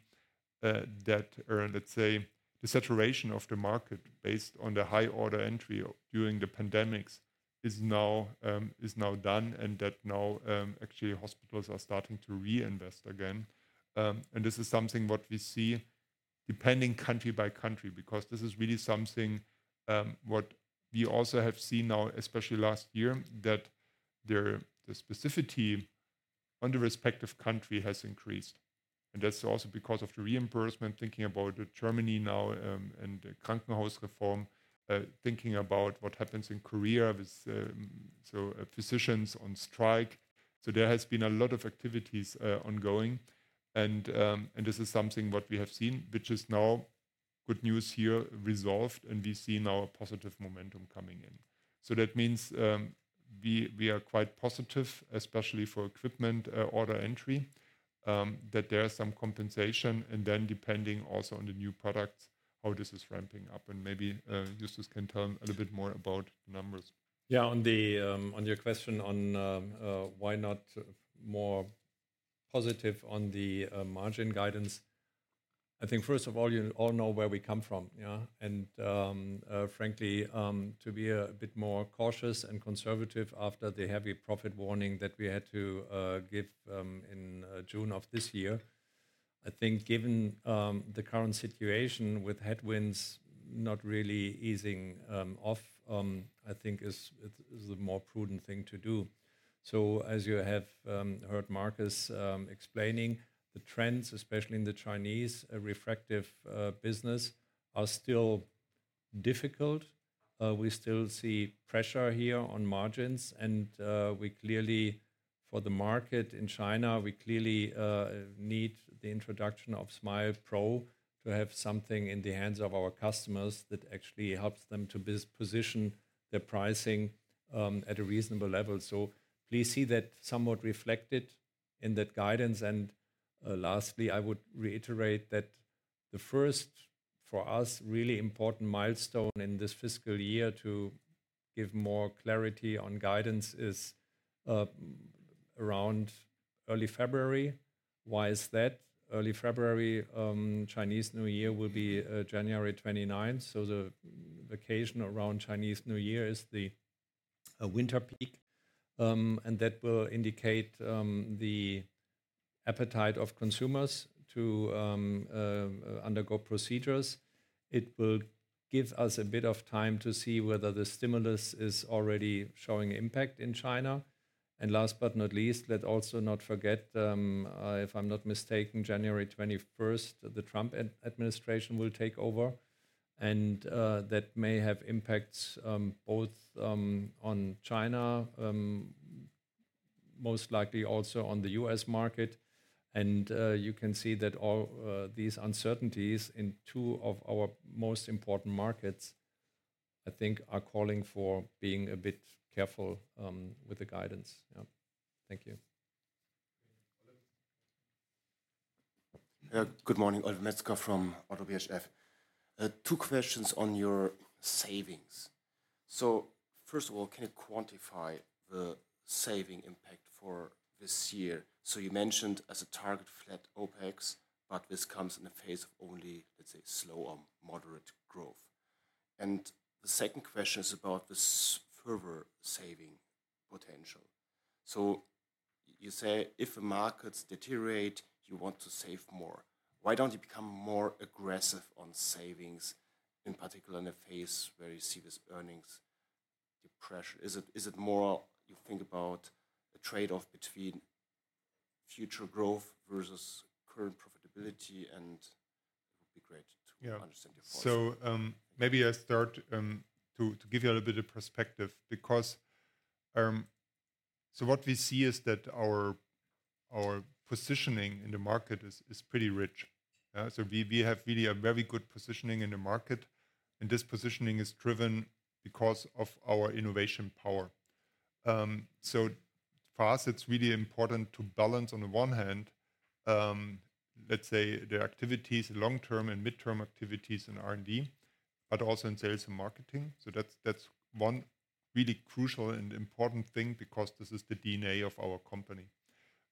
that, let's say, the saturation of the market based on the high order entry during the pandemics is now done, and that now actually hospitals are starting to reinvest again. And this is something what we see depending country by country because this is really something what we also have seen now, especially last year, that the specificity on the respective country has increased. And that's also because of the reimbursement, thinking about Germany now and the Krankenhausreform, thinking about what happens in Korea with physicians on strike. So there has been a lot of activities ongoing, and this is something what we have seen, which is now good news here, resolved, and we see now a positive momentum coming in. So that means we are quite positive, especially for equipment order entry, that there is some compensation, and then depending also on the new products, how this is ramping up. And maybe Justus can tell a little bit more about the numbers. Yeah, on your question on why not more positive on the margin guidance, I think first of all, you all know where we come from, yeah? And frankly, to be a bit more cautious and conservative after the heavy profit warning that we had to give in June of this year, I think given the current situation with headwinds not really easing off, I think is the more prudent thing to do. So as you have heard Markus explaining, the trends, especially in the Chinese refractive business, are still difficult. We still see pressure here on margins, and we clearly, for the market in China, we clearly need the introduction of SMILE pro to have something in the hands of our customers that actually helps them to position their pricing at a reasonable level. So please see that somewhat reflected in that guidance. And lastly, I would reiterate that the first for us really important milestone in this fiscal year to give more clarity on guidance is around early February. Why is that? Early February Chinese New Year will be January 29th, so the occasion around Chinese New Year is the winter peak, and that will indicate the appetite of consumers to undergo procedures. It will give us a bit of time to see whether the stimulus is already showing impact in China. And last but not least, let's also not forget, if I'm not mistaken, January 21st, the Trump administration will take over, and that may have impacts both on China, most likely also on the U.S. market. And you can see that all these uncertainties in two of our most important markets, I think, are calling for being a bit careful with the guidance. Yeah, thank you. Good morning, Oliver Metzger from Oddo BHF. Two questions on your savings. So first of all, can you quantify the saving impact for this year? So you mentioned as a target flat OpEx, but this comes in the phase of only, let's say, slow or moderate growth. And the second question is about this further saving potential. So you say if the markets deteriorate, you want to save more. Why don't you become more aggressive on savings, in particular in a phase where you see these earnings depression? Is it more you think about a trade-off between future growth versus current profitability, and it would be great to understand your thoughts. So maybe I start to give you a little bit of perspective because so what we see is that our positioning in the market is pretty rich. So we have really a very good positioning in the market, and this positioning is driven because of our innovation power. So for us, it's really important to balance on the one hand, let's say, the activities, long-term and midterm activities in R&D, but also in sales and marketing. So that's one really crucial and important thing because this is the DNA of our company.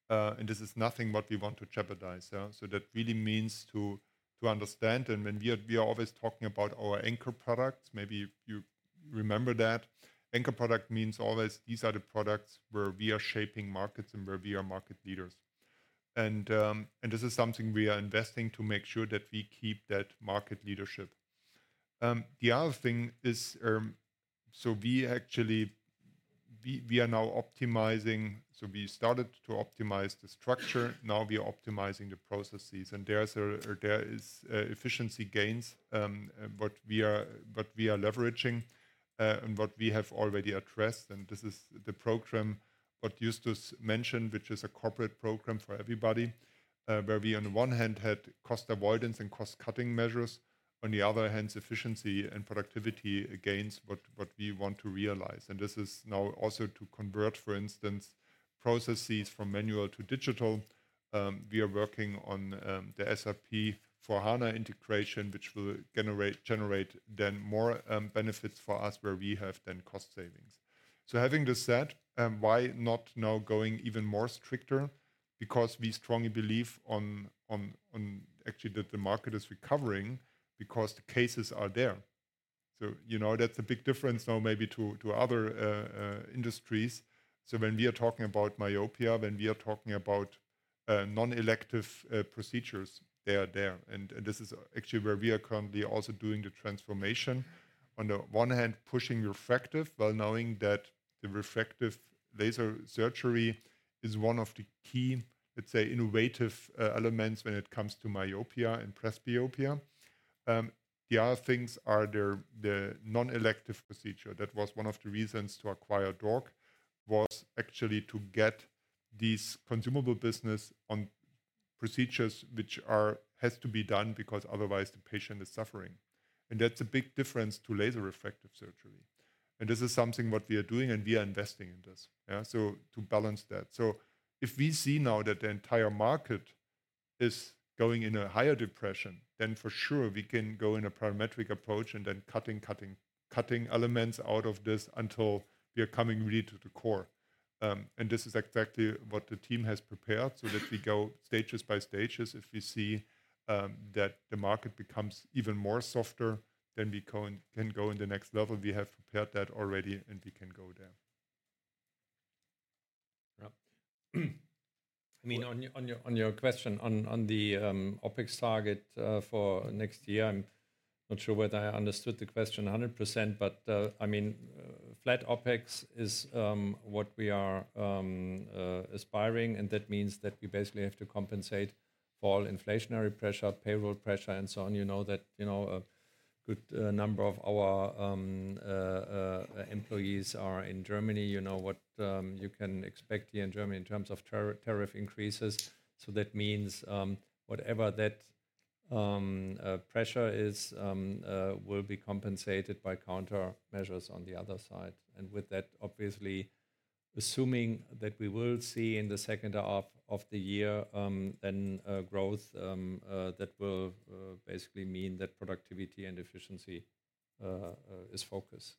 And this is nothing what we want to jeopardize. So that really means to understand, and when we are always talking about our anchor products, maybe you remember that. Anchor product means always these are the products where we are shaping markets and where we are market leaders. And this is something we are investing to make sure that we keep that market leadership. The other thing is, so we actually are now optimizing, so we started to optimize the structure, now we are optimizing the processes, and there is efficiency gains, what we are leveraging and what we have already addressed. And this is the program, what Justus mentioned, which is a corporate program for everybody, where we on the one hand had cost avoidance and cost cutting measures, on the other hand, efficiency and productivity gains, what we want to realize. And this is now also to convert, for instance, processes from manual to digital. We are working on the S/4HANA integration, which will generate then more benefits for us where we have then cost savings. So having this said, why not now going even more stricter? Because we strongly believe on actually that the market is recovering because the cases are there. So that's a big difference now maybe to other industries. So when we are talking about myopia, when we are talking about non-elective procedures, they are there. And this is actually where we are currently also doing the transformation. On the one hand, pushing refractive while knowing that the refractive laser surgery is one of the key, let's say, innovative elements when it comes to myopia and presbyopia. The other things are the non-elective procedure. That was one of the reasons to acquire DORC was actually to get this consumable business on procedures which have to be done because otherwise the patient is suffering. And that's a big difference to laser refractive surgery. And this is something what we are doing, and we are investing in this, yeah, so to balance that. So if we see now that the entire market is going in a higher depression, then for sure we can go in a parametric approach and then cutting elements out of this until we are coming really to the core. And this is exactly what the team has prepared so that we go stages by stages. If we see that the market becomes even more softer, then we can go in the next level. We have prepared that already, and we can go there. Yeah. I mean, on your question on the OpEx target for next year, I'm not sure whether I understood the question 100%, but I mean, flat OpEx is what we are aspiring, and that means that we basically have to compensate for all inflationary pressure, payroll pressure, and so on. You know that a good number of our employees are in Germany. You know what you can expect here in Germany in terms of tariff increases. So that means whatever that pressure is will be compensated by countermeasures on the other side. And with that, obviously, assuming that we will see in the second half of the year then growth, that will basically mean that productivity and efficiency is focused.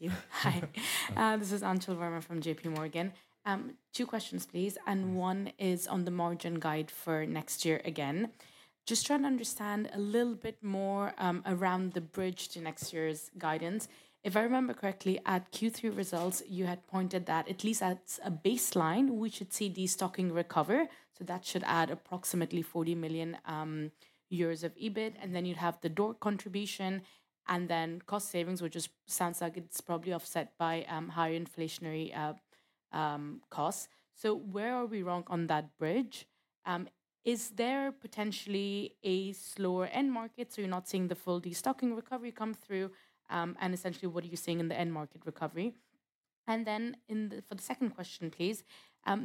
Yeah. Thank you. Hi, this is Anchal Verma from JPMorgan. I have two questions, please. And apologies, this is on the margin. Can you hear that? Oh, thank you. Hi. This is Anchal Verma from JPMorgan. Two questions, please. And one is on the margin guide for next year again. Just trying to understand a little bit more around the bridge to next year's guidance. If I remember correctly, at Q3 results, you had pointed that at least at a baseline, we should see the stocking recover. So that should add approximately 40 million euros of EBIT. And then you'd have the DORC contribution, and then cost savings, which just sounds like it's probably offset by higher inflationary costs. So where are we wrong on that bridge? Is there potentially a slower end market? So you're not seeing the full destocking recovery come through? And essentially, what are you seeing in the end market recovery? And then for the second question, please,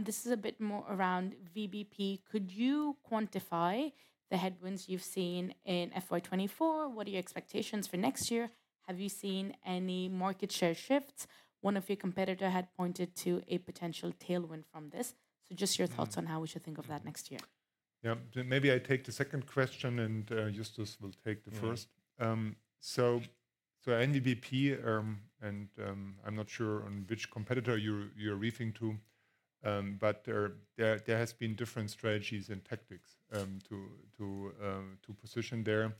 this is a bit more around VBP. Could you quantify the headwinds you've seen in FY 2024? What are your expectations for next year? Have you seen any market share shifts? One of your competitors had pointed to a potential tailwind from this. So just your thoughts on how we should think of that next year. Yeah, maybe I take the second question, and Justus will take the first. So, VBP, and I'm not sure on which competitor you're referring to, but there have been different strategies and tactics to position there.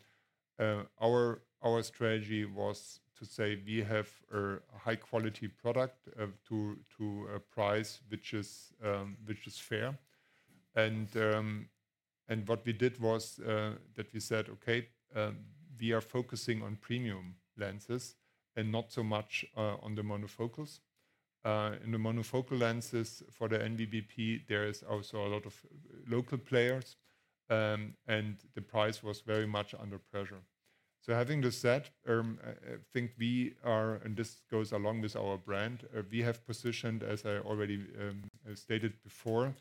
Our strategy was to say we have a high-quality product to a price which is fair. And what we did was that we said, okay, we are focusing on premium lenses and not so much on the monofocals. In the monofocal lenses for the VBP, there is also a lot of local players, and the price was very much under pressure. So having this said, I think we are, and this goes along with our brand, we have positioned, as I already stated before,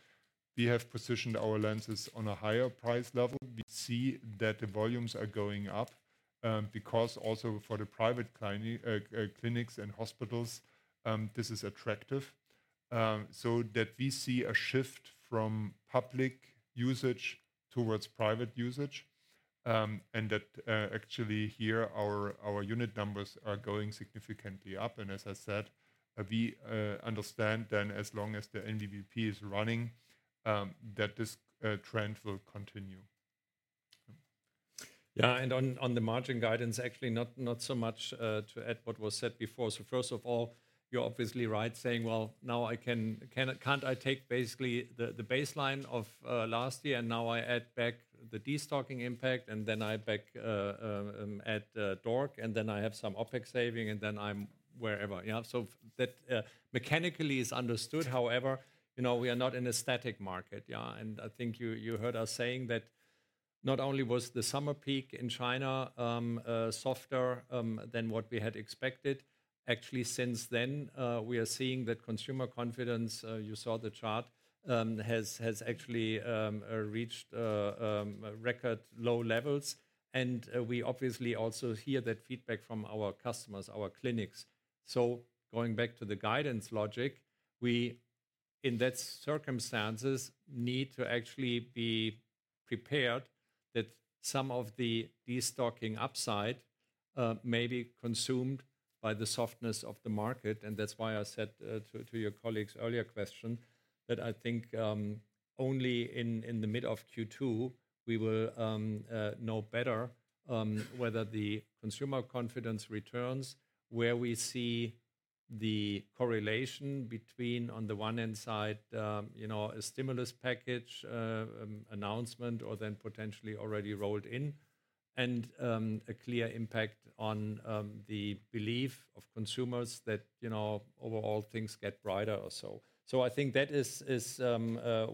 we have positioned our lenses on a higher price level. We see that the volumes are going up because also for the private clinics and hospitals, this is attractive. So that we see a shift from public usage towards private usage, and that actually here our unit numbers are going significantly up, as I said. We understand then as long as the NVBP is running, that this trend will continue. Yeah, and on the margin guidance, actually not so much to add what was said before. So first of all, you're obviously right saying, well, now, can I take basically the baseline of last year and now I add back the destocking impact and then I add DORC and then I have some OpEx saving and then I'm wherever. Yeah, so that mechanically is understood. However, we are not in a static market. Yeah, and I think you heard us saying that not only was the summer peak in China softer than what we had expected, actually since then we are seeing that consumer confidence, you saw the chart, has actually reached record low levels, and we obviously also hear that feedback from our customers, our clinics, so going back to the guidance logic, we in that circumstances need to actually be prepared that some of the destocking upside may be consumed by the softness of the market, and that's why I said to your colleagues earlier question that I think only in the mid of Q2 we will know better whether the consumer confidence returns where we see the correlation between on the one hand side a stimulus package announcement or then potentially already rolled in and a clear impact on the belief of consumers that overall things get brighter or so. So I think that is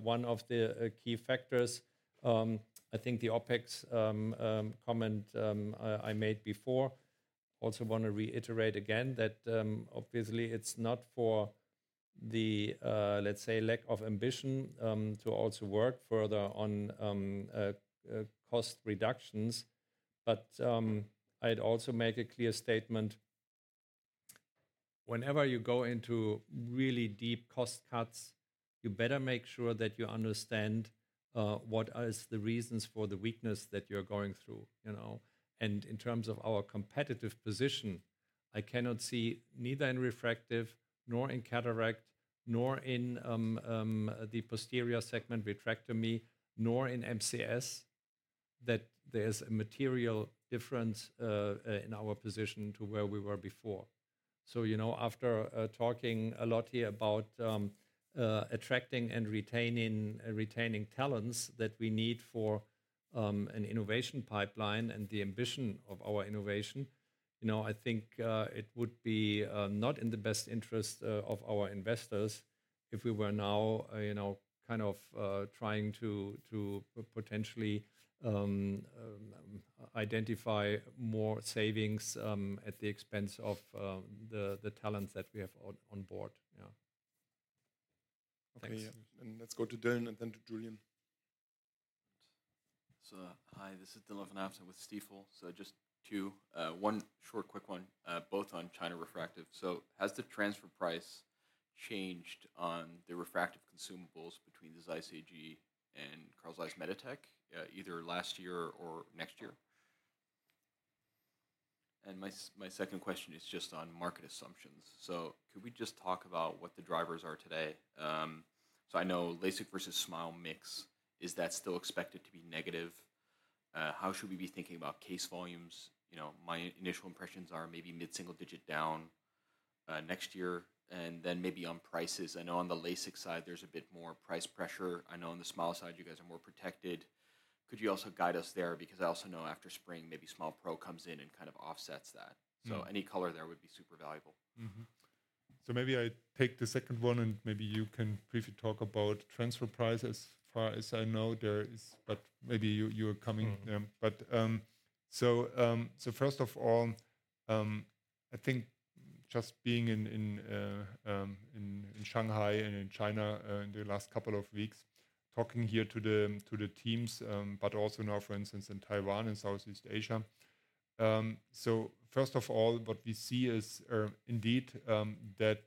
one of the key factors. I think the OpEx comment I made before, also want to reiterate again that obviously it's not for the, let's say, lack of ambition to also work further on cost reductions. But I'd also make a clear statement. Whenever you go into really deep cost cuts, you better make sure that you understand what are the reasons for the weakness that you're going through. And in terms of our competitive position, I cannot see neither in refractive nor in cataract nor in the posterior segment vitrectomy nor in MCS that there is a material difference in our position to where we were before. So after talking a lot here about attracting and retaining talents that we need for an innovation pipeline and the ambition of our innovation, I think it would be not in the best interest of our investors if we were now kind of trying to potentially identify more savings at the expense of the talents that we have on board. Yeah. Okay, and let's go to Dylan and then to Julien. So hi, this is Dylan van Haaften with Stifel. So just two, one short, quick one, both on China refractive. So has the transfer price changed on the refractive consumables between this Carl Zeiss AG and Carl Zeiss Meditec, either last year or next year? And my second question is just on market assumptions. So could we just talk about what the drivers are today? So I know LASIK versus SMILE mix, is that still expected to be negative? How should we be thinking about case volumes? My initial impressions are maybe mid-single digit down next year and then maybe on prices. I know on the LASIK side, there's a bit more price pressure. I know on the SMILE side, you guys are more protected. Could you also guide us there? Because I also know after spring, maybe SMILE pro comes in and kind of offsets that, so any color there would be super valuable. So maybe I take the second one and maybe you can briefly talk about transfer price as far as I know there is, but maybe you are coming. But so first of all, I think just being in Shanghai and in China in the last couple of weeks, talking here to the teams, but also now, for instance, in Taiwan and Southeast Asia. So first of all, what we see is indeed that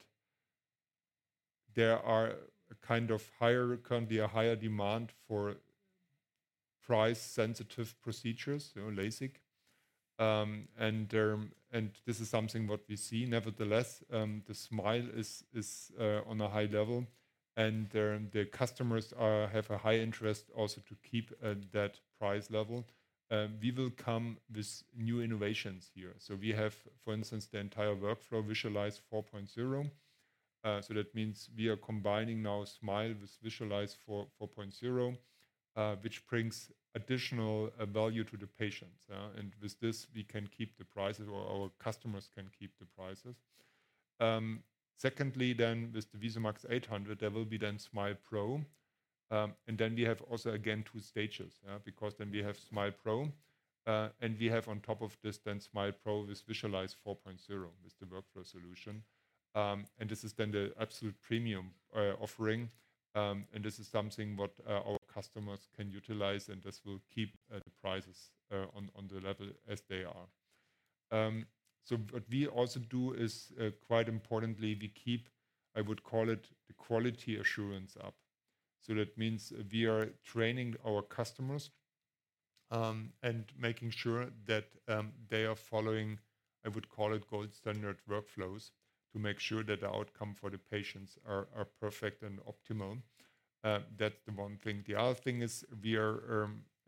there are kind of higher, currently a higher demand for price-sensitive procedures, LASIK. And this is something what we see. Nevertheless, the SMILE is on a high level and the customers have a high interest also to keep that price level. We will come with new innovations here. So we have, for instance, the entire workflow VISULYZE. So that means we are combining now SMILE with VISULYZE, which brings additional value to the patients. And with this, we can keep the prices or our customers can keep the prices. Secondly, then with the VISUMAX 800, there will be then SMILE pro. And then we have also again two stages because then we have SMILE pro and we have on top of this then SMILE pro with VISULYZE with the workflow solution. This is then the absolute premium offering. This is something what our customers can utilize and this will keep the prices on the level as they are. What we also do is quite importantly, we keep, I would call it, the quality assurance up. That means we are training our customers and making sure that they are following, I would call it, gold standard workflows to make sure that the outcome for the patients are perfect and optimal. That's the one thing. The other thing is,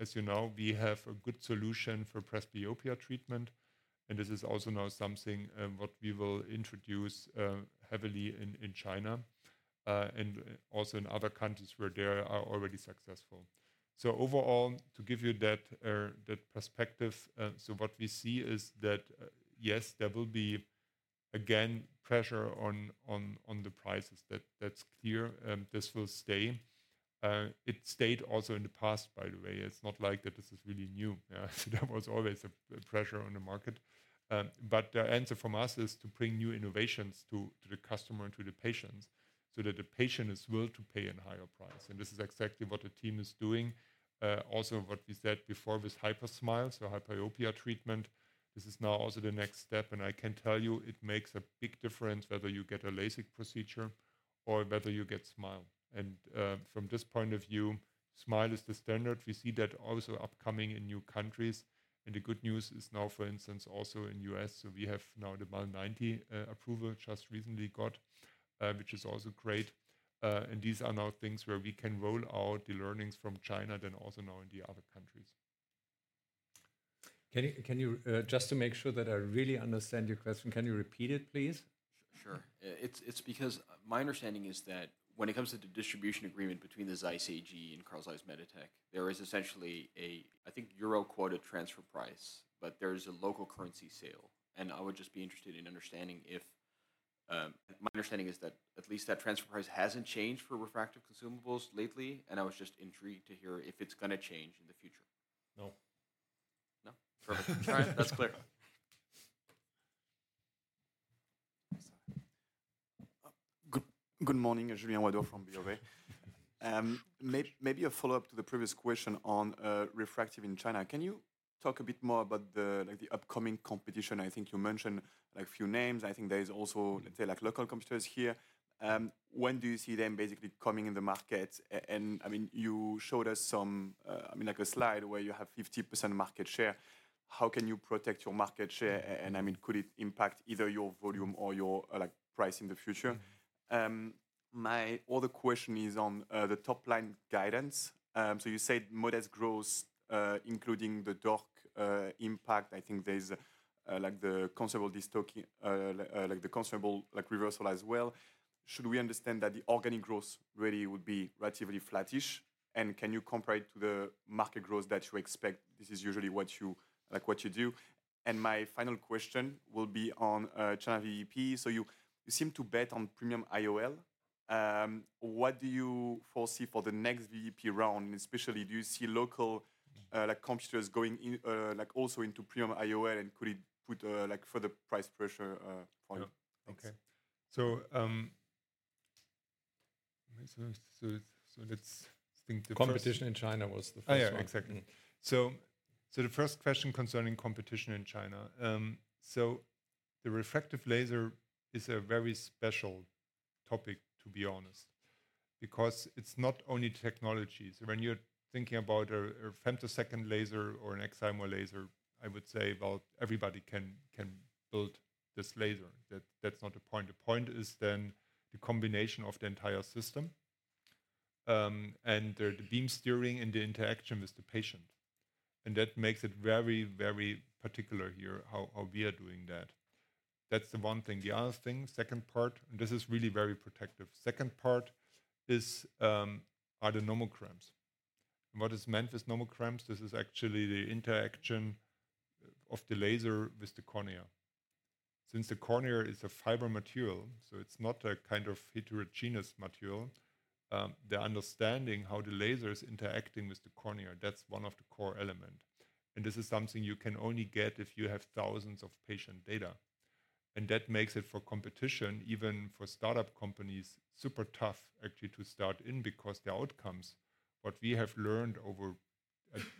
as you know, we have a good solution for presbyopia treatment. This is also now something what we will introduce heavily in China and also in other countries where they are already successful. Overall, to give you that perspective, so what we see is that yes, there will be again pressure on the prices. That's clear. This will stay. It stayed also in the past, by the way. It's not like that this is really new. There was always a pressure on the market. But the answer from us is to bring new innovations to the customer and to the patients so that the patient is willing to pay a higher price. And this is exactly what the team is doing. Also what we said before with Hyper SMILE, so hyperopia treatment, this is now also the next step. And I can tell you it makes a big difference whether you get a LASIK procedure or whether you get SMILE. And from this point of view, SMILE is the standard. We see that also upcoming in new countries. And the good news is now, for instance, also in the U.S., so we have now the MEL 90 approval just recently got, which is also great. These are now things where we can roll out the learnings from China, then also now in the other countries. Can you, just to make sure that I really understand your question, can you repeat it, please? Sure. It's because my understanding is that when it comes to the distribution agreement between the ZEISS Group and Carl Zeiss Meditec, there is essentially a, I think, euro quoted transfer price, but there is a local currency sale. And I would just be interested in understanding if my understanding is that at least that transfer price hasn't changed for refractive consumables lately. And I was just intrigued to hear if it's going to change in the future. No. No? Perfect. That's clear. Good morning, Julien Ouaddour from Bryan, Garnier & Co. Maybe a follow-up to the previous question on refractive in China. Can you talk a bit more about the upcoming competition? I think you mentioned a few names. I think there is also, let's say, local competitors here. When do you see them basically coming in the market? And I mean, you showed us some, I mean, like a slide where you have 50% market share. How can you protect your market share? And I mean, could it impact either your volume or your price in the future? My other question is on the top line guidance. So you said modest growth, including the DORC impact. I think there's the conceivable reversal as well. Should we understand that the organic growth really would be relatively flattish? And can you compare it to the market growth that you expect? This is usually what you do. And my final question will be on China VBP. So you seem to bet on premium IOL. What do you foresee for the next VBP round? And especially, do you see local competitors going also into premium IOL and could it put further price pressure? Okay. Let's think the first. Competition in China was the first one. Yeah, exactly. The first question concerning competition in China. The refractive laser is a very special topic, to be honest, because it's not only technology. When you're thinking about a femtosecond laser or an excimer laser, I would say about everybody can build this laser. That's not the point. The point is then the combination of the entire system and the beam steering and the interaction with the patient. That makes it very, very particular here how we are doing that. That's the one thing. The other thing, second part, and this is really very protective. Second part is the nomograms. What is meant with nomograms? This is actually the interaction of the laser with the cornea. Since the cornea is a fiber material, so it's not a kind of heterogeneous material, the understanding how the laser is interacting with the cornea, that's one of the core elements. And this is something you can only get if you have thousands of patient data. And that makes it for competition, even for startup companies, super tough actually to start in because the outcomes, what we have learned over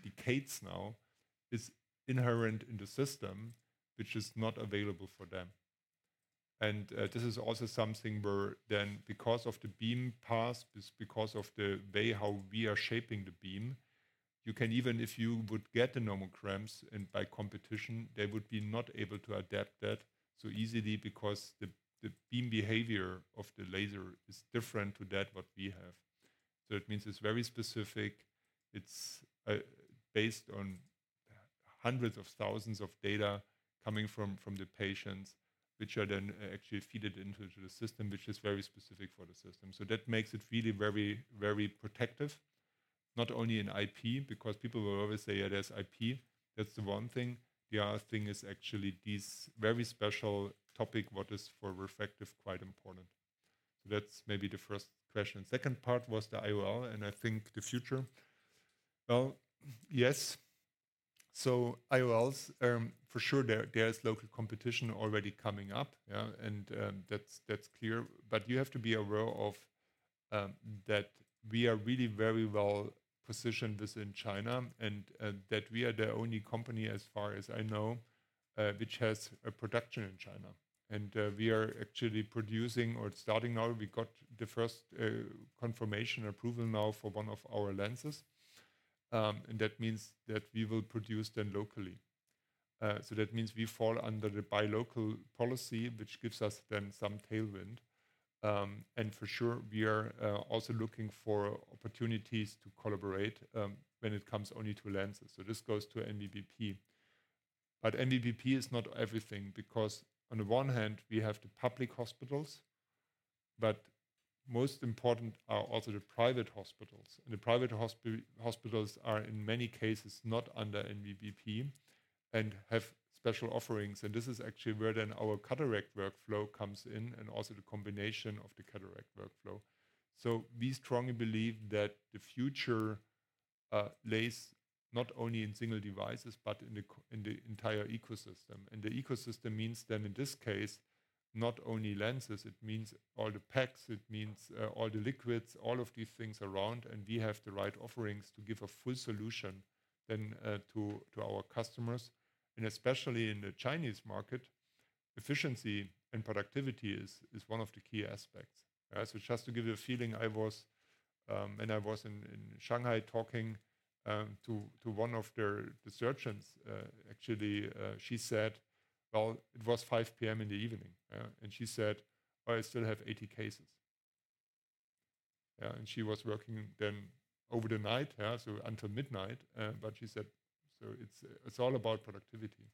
decades now, is inherent in the system, which is not available for them. This is also something where then because of the beam path, because of the way how we are shaping the beam, you can even if you would get the nomograms and by competition, they would be not able to adapt that so easily because the beam behavior of the laser is different to that what we have. So it means it's very specific. It's based on hundreds of thousands of data coming from the patients, which are then actually fed into the system, which is very specific for the system. So that makes it really very, very protective, not only in IP because people will always say, yeah, there's IP. That's the one thing. The other thing is actually this very special topic, what is for refractive, quite important. So that's maybe the first question. Second part was the IOL and I think the future. Well, yes. So IOLs, for sure, there is local competition already coming up. And that's clear. But you have to be aware of that we are really very well positioned within China and that we are the only company as far as I know, which has a production in China. And we are actually producing or starting now. We got the first confirmation approval now for one of our lenses. And that means that we will produce them locally. So that means we fall under the Buy Local policy, which gives us then some tailwind. And for sure, we are also looking for opportunities to collaborate when it comes only to lenses. So this goes to VBP. But VBP is not everything because on the one hand, we have the public hospitals, but most important are also the private hospitals. The private hospitals are in many cases not under VBP and have special offerings. This is actually where then our cataract workflow comes in and also the combination of the cataract workflow. We strongly believe that the future lies not only in single devices, but in the entire ecosystem. The ecosystem means then in this case, not only lenses, it means all the packs, it means all the liquids, all of these things around. We have the right offerings to give a full solution then to our customers. Especially in the Chinese market, efficiency and productivity is one of the key aspects. Just to give you a feeling, I was in Shanghai talking to one of the surgeons. Actually, she said, well, it was 5:00 P.M. in the evening. She said, oh, I still have 80 cases. And she was working then over the night, so until midnight. But she said, so it's all about productivity.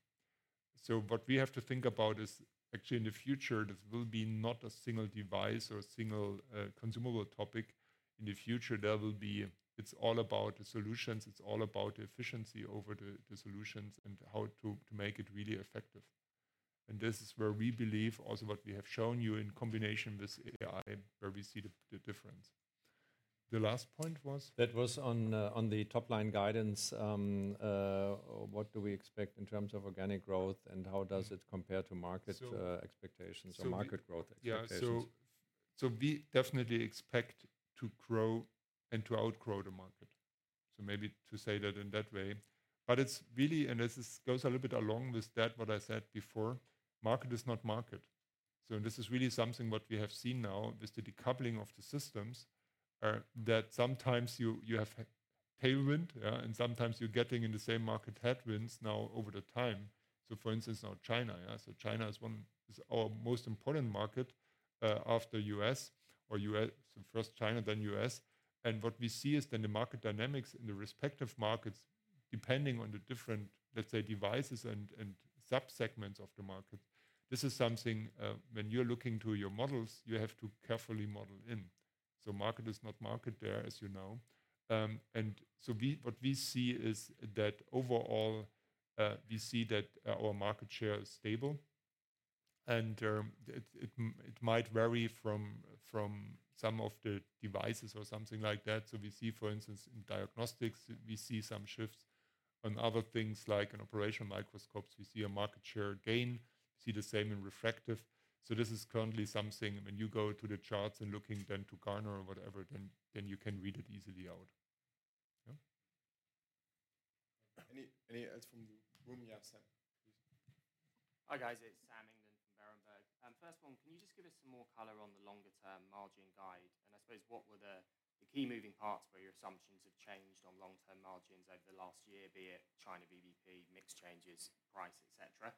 So what we have to think about is actually in the future, this will be not a single device or a single consumable topic. In the future, there will be, it's all about the solutions. It's all about efficiency over the solutions and how to make it really effective. And this is where we believe also what we have shown you in combination with AI, where we see the difference. The last point was. That was on the top line guidance. What do we expect in terms of organic growth and how does it compare to market expectations or market growth expectations? Yeah, so we definitely expect to grow and to outgrow the market. So maybe to say that in that way. But it's really, and this goes a little bit along with that, what I said before, market is not market. So this is really something what we have seen now with the decoupling of the systems that sometimes you have tailwind and sometimes you're getting in the same market headwinds now over the time. So for instance, now China. So China is our most important market after the U.S. or U.S., so first China, then U.S. And what we see is then the market dynamics in the respective markets depending on the different, let's say, devices and subsegments of the market. This is something when you're looking to your models, you have to carefully model in. So market is not market there, as you know. And so what we see is that overall, we see that our market share is stable. It might vary from some of the devices or something like that. We see, for instance, in diagnostics, we see some shifts on other things like in operational microscopes, we see a market share gain. We see the same in refractive. This is currently something when you go to the charts and looking then to Gartner or whatever, then you can read it easily out. Any adds from the room? Yeah, Sam. Hi guys, it's Sam England from Berenberg. First one, can you just give us some more color on the longer-term margin guide? I suppose what were the key moving parts where your assumptions have changed on long-term margins over the last year, be it China VBP, mixed changes, price, etc.?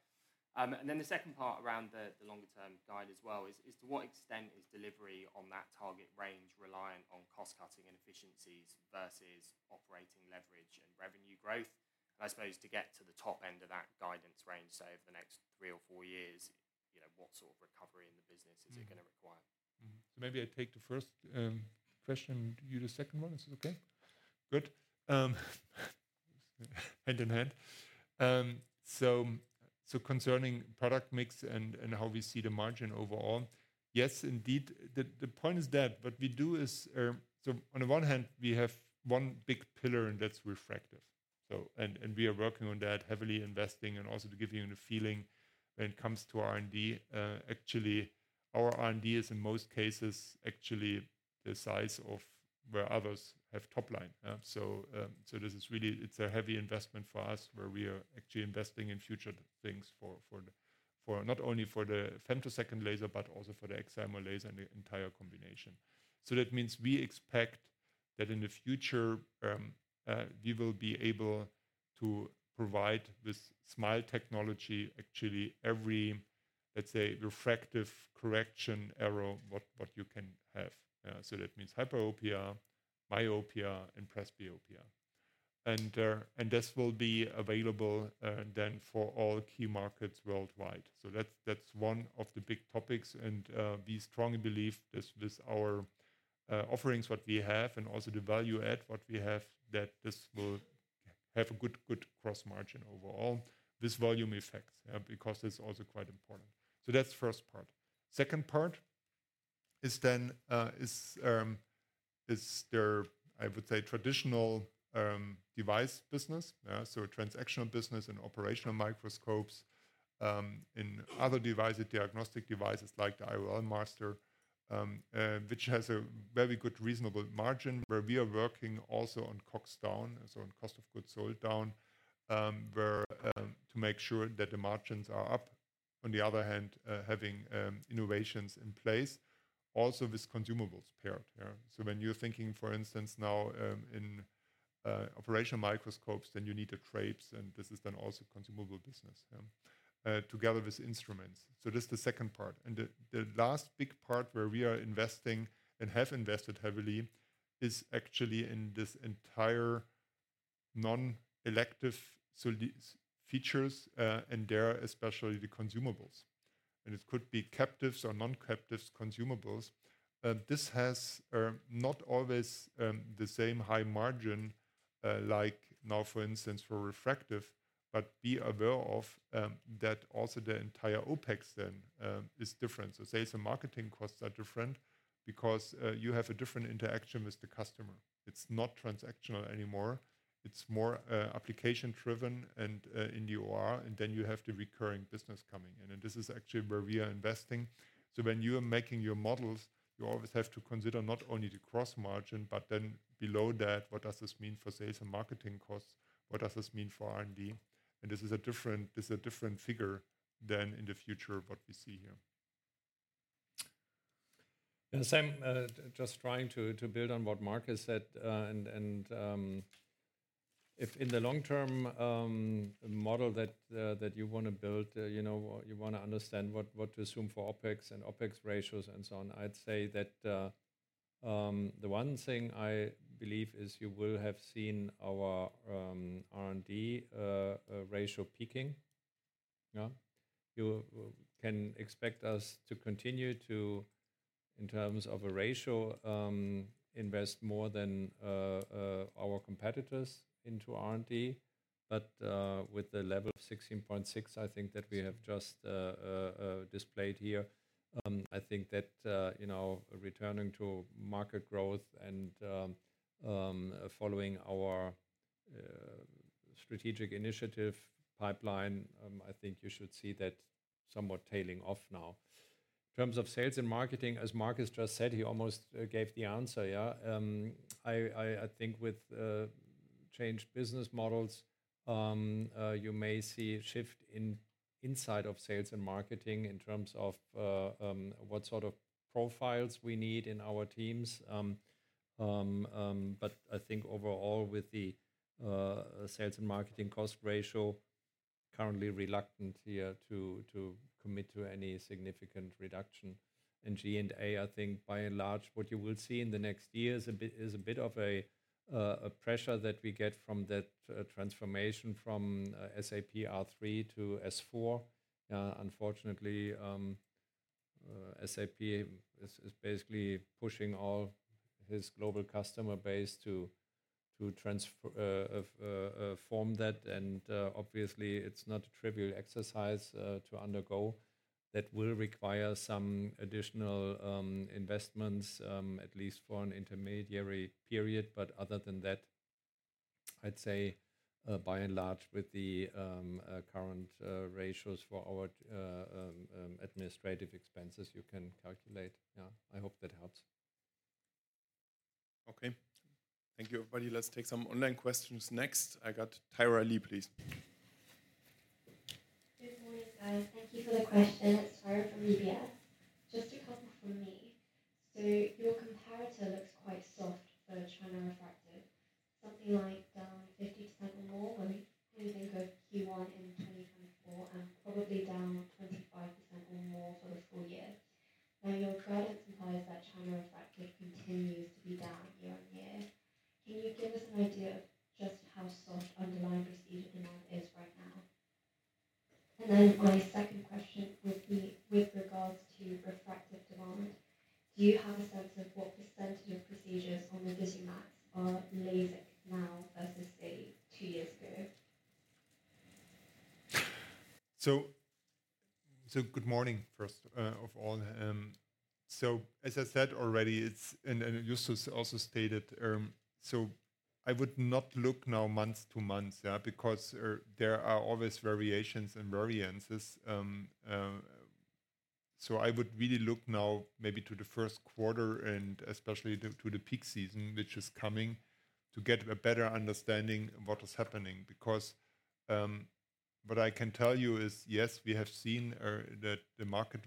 And then the second part around the longer-term guide as well is to what extent is delivery on that target range reliant on cost-cutting and efficiencies versus operating leverage and revenue growth? And I suppose to get to the top end of that guidance range, say, over the next three or four years, what sort of recovery in the business is it going to require? So maybe I take the first question and you the second one. Is it okay? Good. Hand in hand. So concerning product mix and how we see the margin overall, yes, indeed. The point is that what we do is, so on the one hand, we have one big pillar and that's refractive. And we are working on that heavily investing and also to give you the feeling when it comes to R&D. Actually, our R&D is in most cases actually the size of where others have top line. So this is really, it's a heavy investment for us where we are actually investing in future things for not only for the femtosecond laser, but also for the excimer laser and the entire combination. So that means we expect that in the future, we will be able to provide with SMILE technology actually every, let's say, refractive correction error what you can have. So that means hyperopia, myopia, and presbyopia. And this will be available then for all key markets worldwide. So that's one of the big topics. And we strongly believe this with our offerings, what we have and also the value add what we have, that this will have a good cross margin overall with volume effects because it's also quite important. So that's the first part. Second part is then, I would say, traditional device business, so transactional business and operational microscopes and other diagnostic devices like the IOLMaster, which has a very good reasonable margin. We are working also on COGS down, so on cost of goods sold down, to make sure that the margins are up. On the other hand, having innovations in place also with consumables paired. So when you're thinking, for instance, now in operational microscopes, then you need the drapes. This is then also consumable business together with instruments. This is the second part. The last big part where we are investing and have invested heavily is actually in this entire non-elective procedures, and there are especially the consumables. It could be captive or non-captive consumables. This has not always the same high margin like now, for instance, for refractive, but be aware of that also the entire OpEx then is different. So, say, some marketing costs are different because you have a different interaction with the customer. It's not transactional anymore. It's more application-driven and in the OR. Then you have the recurring business coming. This is actually where we are investing. When you are making your models, you always have to consider not only the gross margin, but then below that, what does this mean for sales and marketing costs. What does this mean for R&D? This is a different figure than in the future what we see here. Sam, just trying to build on what Mark has said. If in the long-term model that you want to build, you want to understand what to assume for OpEx and OpEx ratios and so on, I'd say that the one thing I believe is you will have seen our R&D ratio peaking. You can expect us to continue to, in terms of a ratio, invest more than our competitors into R&D. But with the level of 16.6, I think that we have just displayed here, I think that returning to market growth and following our strategic initiative pipeline, I think you should see that somewhat tailing off now. In terms of sales and marketing, as Mark has just said, he almost gave the answer. I think with changed business models, you may see a shift inside of sales and marketing in terms of what sort of profiles we need in our teams. But I think overall with the sales and marketing cost ratio, we're currently reluctant here to commit to any significant reduction. And G&A, I think by and large, what you will see in the next year is a bit of a pressure that we get from that transformation from SAP R/3 to S/4HANA. Unfortunately, SAP is basically pushing all its global customer base to that. And obviously, it's not a trivial exercise to undergo. That will require some additional investments, at least for an intermediate period. But other than that, I'd say by and large with the current ratios for our administrative expenses, you can calculate. I hope that helps. Okay. Thank you, everybody. Let's take some online questions next. I got Tyra Li, please. Good morning, guys. Thank you for the question. It's Tyra from UBS. Just a couple from me. So your comparator looks quite soft for China refractive, something like down 50% or more when we think of Q1 in 2024 and probably down 25% or more for the full year. Now, your guidance implies that China refractive continues to be down year-on-year. Can you give us an idea of just how soft underlying procedure demand is right now? And then my second question would be with regards to refractive demand. Do you have a sense of what percentage of procedures on the VISUMAX are LASIK now versus, say, two years ago? So good morning first of all. So as I said already, and you also stated, so I would not look now month to month because there are always variations and variances. So I would really look now maybe to the first quarter and especially to the peak season, which is coming, to get a better understanding of what is happening. Because what I can tell you is, yes, we have seen that the market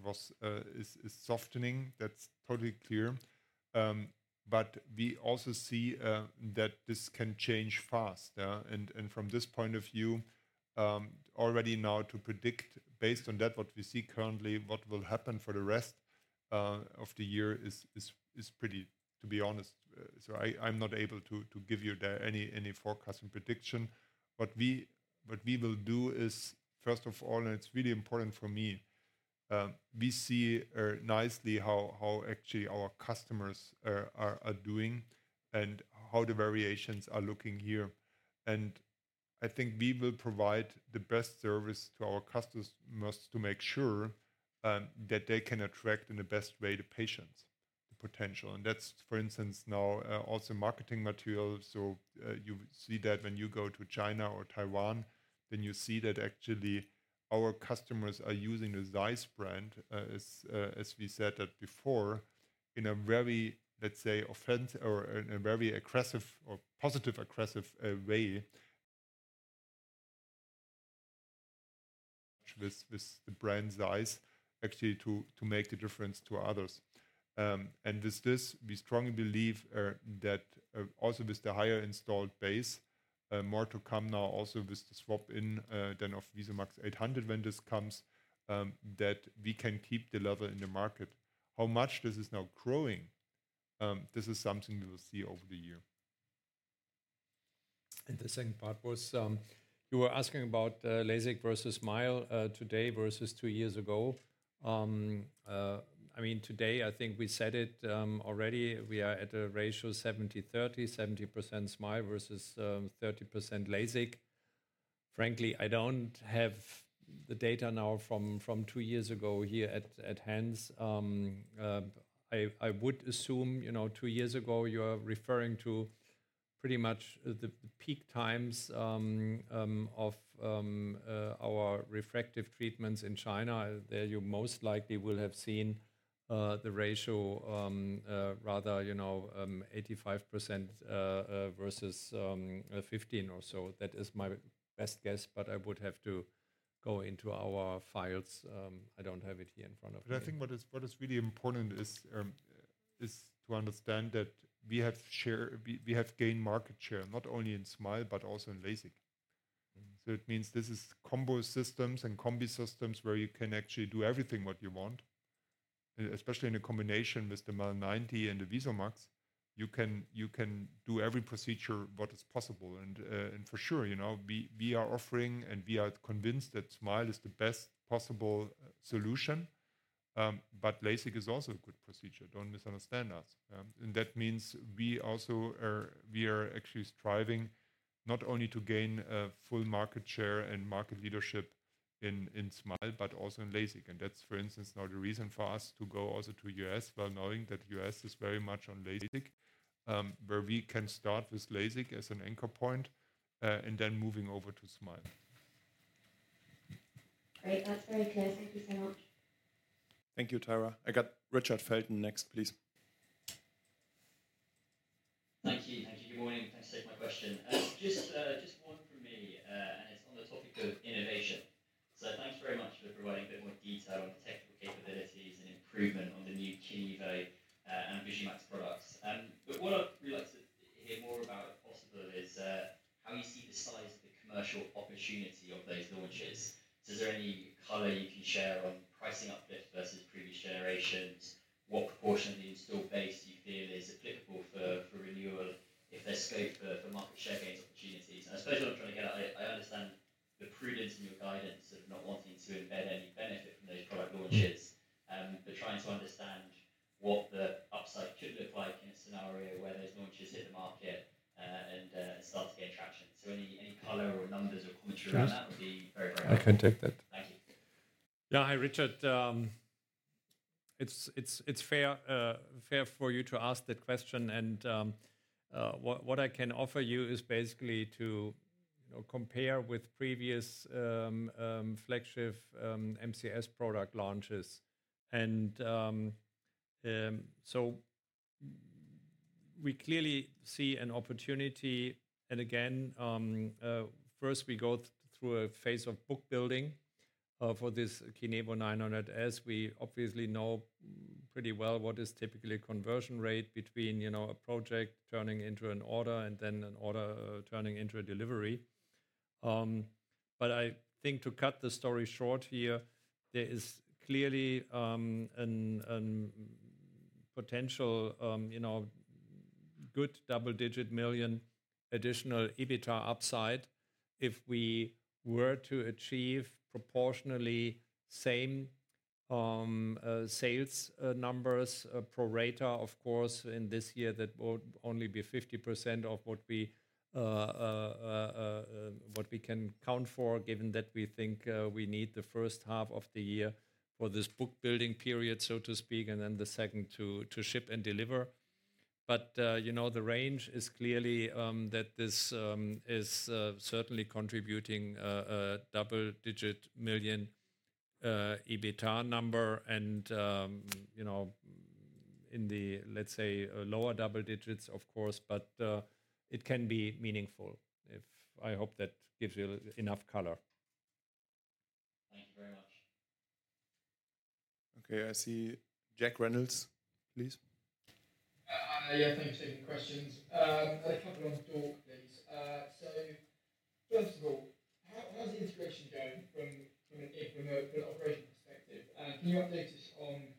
is softening. That's totally clear. But we also see that this can change fast. And from this point of view, already now to predict based on that, what we see currently, what will happen for the rest of the year is pretty, to be honest. So I'm not able to give you any forecasting prediction. What we will do is, first of all, and it's really important for me, we see nicely how actually our customers are doing and how the variations are looking here. I think we will provide the best service to our customers to make sure that they can attract in the best way the patients, the potential. That's, for instance, now also marketing material. You see that when you go to China or Taiwan, then you see that actually our customers are using the Zeiss brand, as we said that before, in a very, let's say, offensive or in a very aggressive or positively aggressive way with the brand Zeiss, actually to make the difference to others. With this, we strongly believe that also with the higher installed base, more to come now also with the swap-in then of VISUMAX 800 when this comes, that we can keep the level in the market. How much this is now growing, this is something we will see over the year. The second part was you were asking about LASIK versus SMILE today versus two years ago. I mean, today, I think we said it already. We are at a ratio 70-30, 70% SMILE versus 30% LASIK. Frankly, I don't have the data now from two years ago here at hand. I would assume two years ago you are referring to pretty much the peak times of our refractive treatments in China. There you most likely will have seen the ratio rather 85% versus 15% or so. That is my best guess, but I would have to go into our files. I don't have it here in front of me. But I think what is really important is to understand that we have gained market share not only in SMILE, but also in LASIK. So it means this is combo systems and combi systems where you can actually do everything what you want, especially in a combination with the MEL 90 and the VISUMAX. You can do every procedure what is possible. And for sure, we are offering and we are convinced that SMILE is the best possible solution. But LASIK is also a good procedure. Don't misunderstand us. And that means we are actually striving not only to gain full market share and market leadership in SMILE, but also in LASIK. And that's, for instance, now the reason for us to go also to U.S., well knowing that U.S. is very much on LASIK, where we can start with LASIK as an anchor point and then moving over to SMILE. Great. That's very clear. Thank you so much. Thank you, Tyra. I got Richard Felton next, please. Thank you. Thank you. Good morning. Thanks for taking my question. Just one from me, and it's on the topic of innovation. So thanks very much for providing a bit more detail on technical capabilities and improvement on the new KINEVO and VISUMAX products. But what I'd really like to hear more about, if possible, is how you see the size of the commercial opportunity of those launches. Is there any color you can share on pricing uplift versus previous generations? What proportion of the installed base do you feel is applicable for renewal if there's scope for market share gains opportunities? I suppose what I'm trying to get at, I understand the prudence in your guidance of not wanting to embed any benefit from those product launches, but trying to understand what the upside could look like in a scenario where those launches hit the market and start to gain traction. Any color or numbers or commentary around that would be very great. I can take that. Thank you. Yeah. Hi, Richard. It's fair for you to ask that question. And what I can offer you is basically to compare with previous flagship MCS product launches. And so we clearly see an opportunity. And again, first we go through a phase of book building for this KINEVO 900S. We obviously know pretty well what is typically a conversion rate between a project turning into an order and then an order turning into a delivery. But I think to cut the story short here, there is clearly a potential good double-digit million additional EBITDA upside if we were to achieve proportionally same sales numbers per laser, of course. In this year that would only be 50% of what we can count for, given that we think we need the first half of the year for this book building period, so to speak, and then the second to ship and deliver. But the range is clearly that this is certainly contributing a double-digit million EBITDA number. And in the, let's say, lower double digits, of course, but it can be meaningful. I hope that gives you enough color. Thank you very much. Okay. I see Jack Reynolds-Ciocan, please. Yeah. Thanks for taking questions. I have a couple on talk, please. So first of all, how's the integration going from an operational perspective? Can you update us on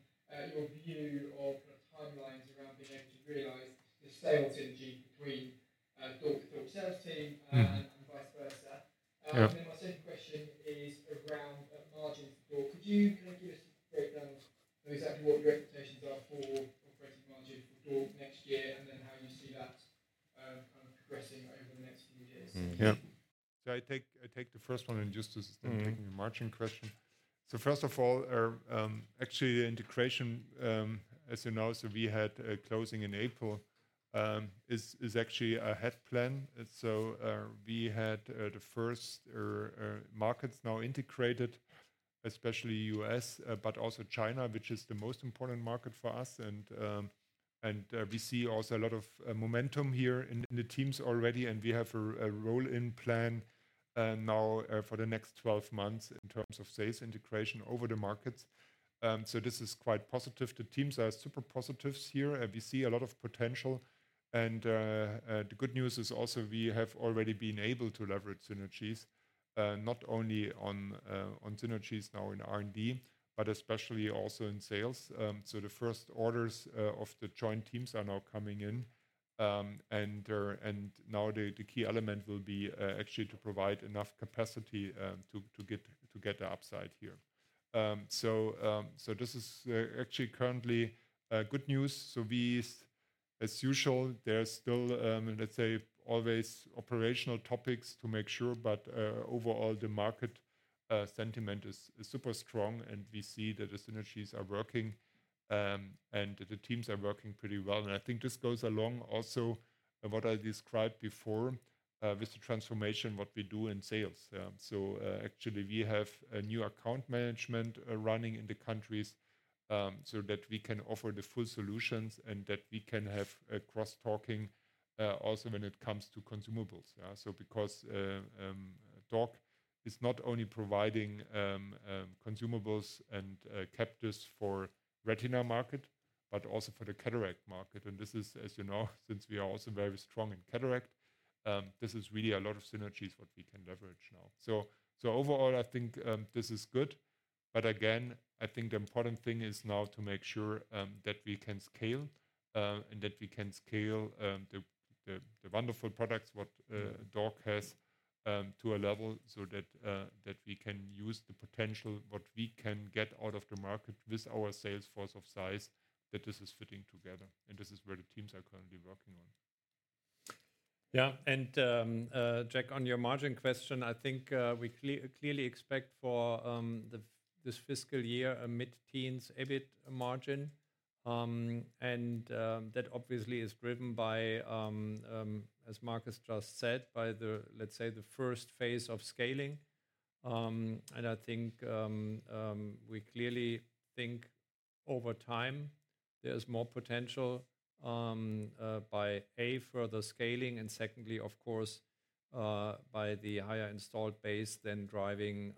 your view of timelines around being able to realize the sales synergy between DORC to DORC sales team and vice versa? And then my second question is around margins for DORC. Could you kind of give us a breakdown of exactly what your expectations are for operating margin for DORC next year and then how you see that kind of progressing over the next few years? Yeah. So I take the first one and just to take your margin question. So first of all, actually, the integration, as you know, so we had closing in April, is actually ahead of plan. So we had the first markets now integrated, especially U.S., but also China, which is the most important market for us. And we see also a lot of momentum here in the teams already. And we have a roll-in plan now for the next 12 months in terms of sales integration over the markets. So this is quite positive. The teams are super positive here. We see a lot of potential. And the good news is also we have already been able to leverage synergies, not only on synergies now in R&D, but especially also in sales. So the first orders of the joint teams are now coming in. And now the key element will be actually to provide enough capacity to get the upside here. So this is actually currently good news. So as usual, there's still, let's say, always operational topics to make sure. But overall, the market sentiment is super strong. And we see that the synergies are working and the teams are working pretty well. And I think this goes along also what I described before with the transformation, what we do in sales. So actually, we have a new account management running in the countries so that we can offer the full solutions and that we can have cross-selling also when it comes to consumables. So because DORC is not only providing consumables and cartridges for retina market, but also for the cataract market. And this is, as you know, since we are also very strong in cataract, this is really a lot of synergies what we can leverage now. So overall, I think this is good. But again, I think the important thing is now to make sure that we can scale and that we can scale the wonderful products what DORC has to a level so that we can use the potential what we can get out of the market with our sales force of Zeiss, that this is fitting together. And this is where the teams are currently working on. Yeah. And Jack, on your margin question, I think we clearly expect for this fiscal year a mid-teens EBIT margin. And that obviously is driven by, as Markus just said, by the, let's say, the first phase of scaling. And I think we clearly think over time there is more potential by, A, further scaling, and secondly, of course, by the higher installed base then driving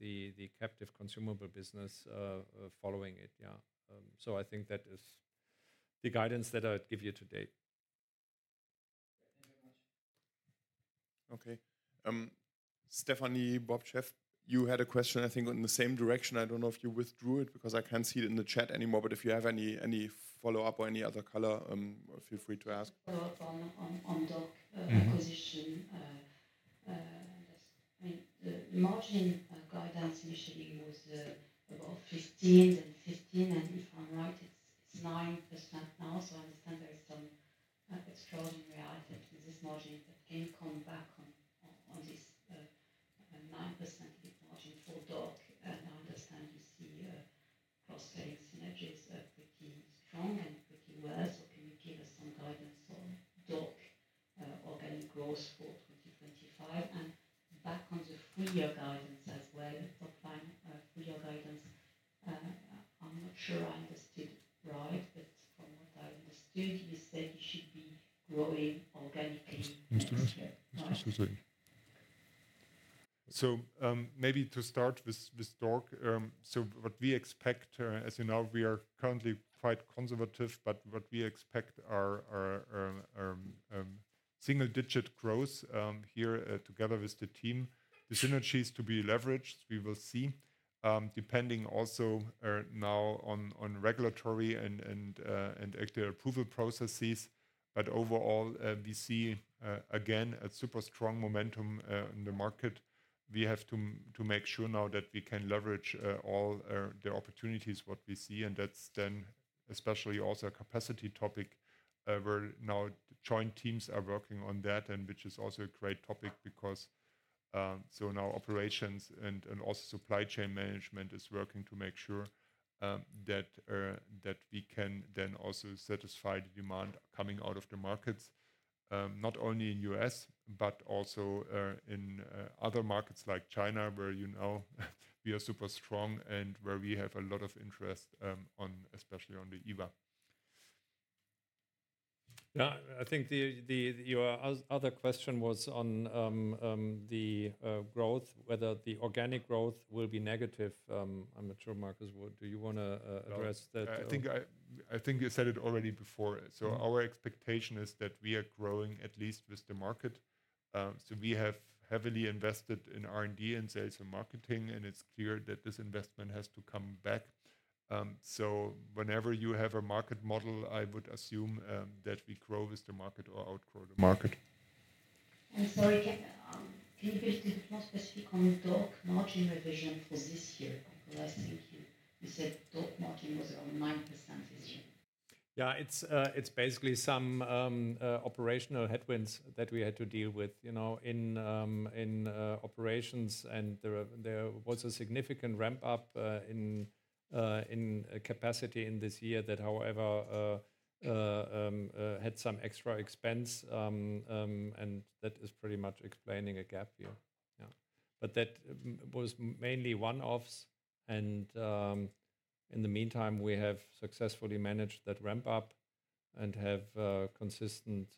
the captive consumable business following it. Yeah. So I think that is the guidance that I'd give you today. Thank you very much. Okay. Stéphanie Bobtcheff, you had a question, I think, in the same direction. I don't know if you withdrew it because I can't see it in the chat anymore. But if you have any follow-up or any other color, feel free to ask. On DORC acquisition, I mean, the margin guidance initially was about 15%, and if I'm right, it's 9% now. So I understand there is some extraordinary items in this margin that can come back on this 9% margin for DORC. And I understand you see cross-selling synergies pretty strong and pretty well. So can you give us some guidance on DORC organic growth for 2025? Back on the full-year guidance as well, the top-line full-year guidance, I'm not sure I understood right, but from what I understood, you said you should be growing organically next year. Exactly. Maybe to start with DORC, what we expect, as you know, we are currently quite conservative, but what we expect are single-digit growth here together with the team. The synergies to be leveraged, we will see, depending also now on regulatory and antitrust approval processes. Overall, we see again a super strong momentum in the market. We have to make sure now that we can leverage all the opportunities what we see. And that's then especially also a capacity topic where now joint teams are working on that, which is also a great topic because so now operations and also supply chain management is working to make sure that we can then also satisfy the demand coming out of the markets, not only in U.S., but also in other markets like China where we are super strong and where we have a lot of interest on, especially on the EVA. Yeah. I think your other question was on the growth, whether the organic growth will be negative. I'm not sure, Markus, do you want to address that? I think you said it already before. So our expectation is that we are growing at least with the market. So we have heavily invested in R&D and sales and marketing, and it's clear that this investment has to come back. So whenever you have a market model, I would assume that we grow with the market or outgrow the market. I'm sorry, can you be a bit more specific on DORC margin revision for this year? Because I think you said DORC margin was around 9% this year. Yeah. It's basically some operational headwinds that we had to deal with in operations. And there was a significant ramp-up in capacity in this year that, however, had some extra expense. And that is pretty much explaining a gap here. Yeah. But that was mainly one-offs. And in the meantime, we have successfully managed that ramp-up and have consistent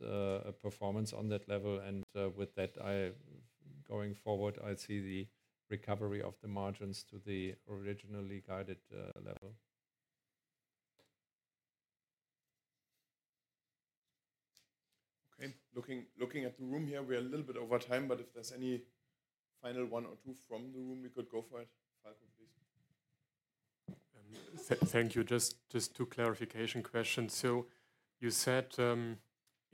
performance on that level. And with that, going forward, I see the recovery of the margins to the originally guided level. Okay. Looking at the room here, we are a little bit over time, but if there's any final one or two from the room, we could go for it. Falko, please. Thank you. Just two clarification questions. So you said in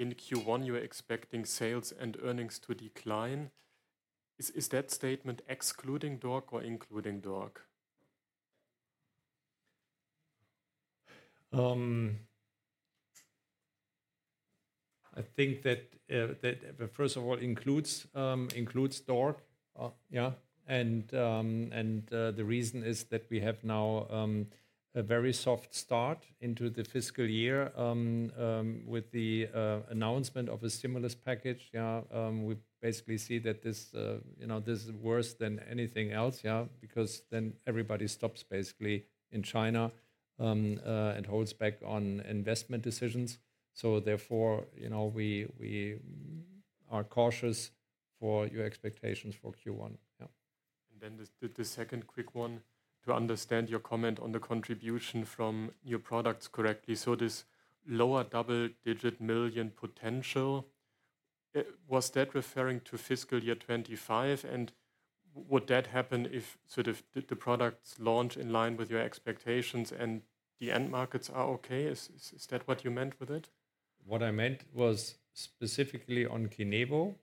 Q1, you're expecting sales and earnings to decline. Is that statement excluding DORC or including DORC? I think that, first of all, includes DORC. Yeah. And the reason is that we have now a very soft start into the fiscal year with the announcement of a stimulus package. Yeah. We basically see that this is worse than anything else, yeah, because then everybody stops basically in China and holds back on investment decisions. So therefore, we are cautious for your expectations for Q1. Yeah. And then the second quick one to understand your comment on the contribution from new products correctly. So this lower double-digit million potential, was that referring to fiscal year 2025? And would that happen if sort of the products launch in line with your expectations and the end markets are okay? Is that what you meant with it? What I meant was specifically on KINEVO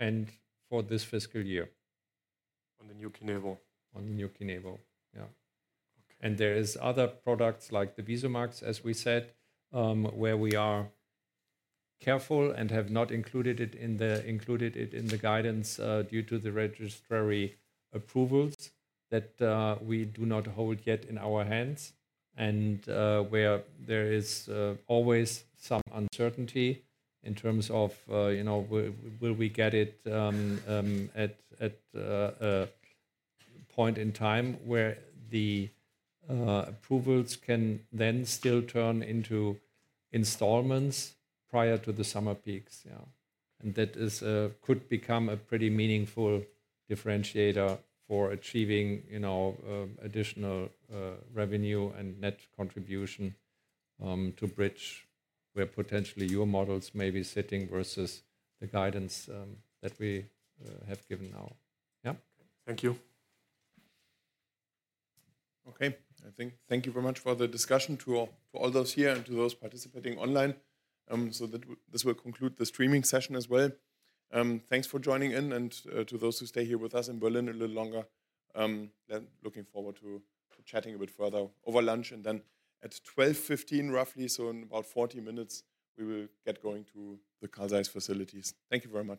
and for this fiscal year. On the new KINEVO. On the new KINEVO. Yeah. And there are other products like the VISUMAX, as we said, where we are careful and have not included it in the guidance due to the regulatory approvals that we do not hold yet in our hands. And where there is always some uncertainty in terms of will we get it at a point in time where the approvals can then still turn into installations prior to the summer peaks. Yeah. And that could become a pretty meaningful differentiator for achieving additional revenue and net contribution to bridge where potentially your models may be sitting versus the guidance that we have given now. Yeah. Thank you. Okay. I think thank you very much for the discussion to all those here and to those participating online. So this will conclude the streaming session as well. Thanks for joining in. And to those who stay here with us in Berlin a little longer, looking forward to chatting a bit further over lunch. And then at 12:15 P.M. roughly, so in about 40 minutes, we will get going to the Carl Zeiss facilities. Thank you very much.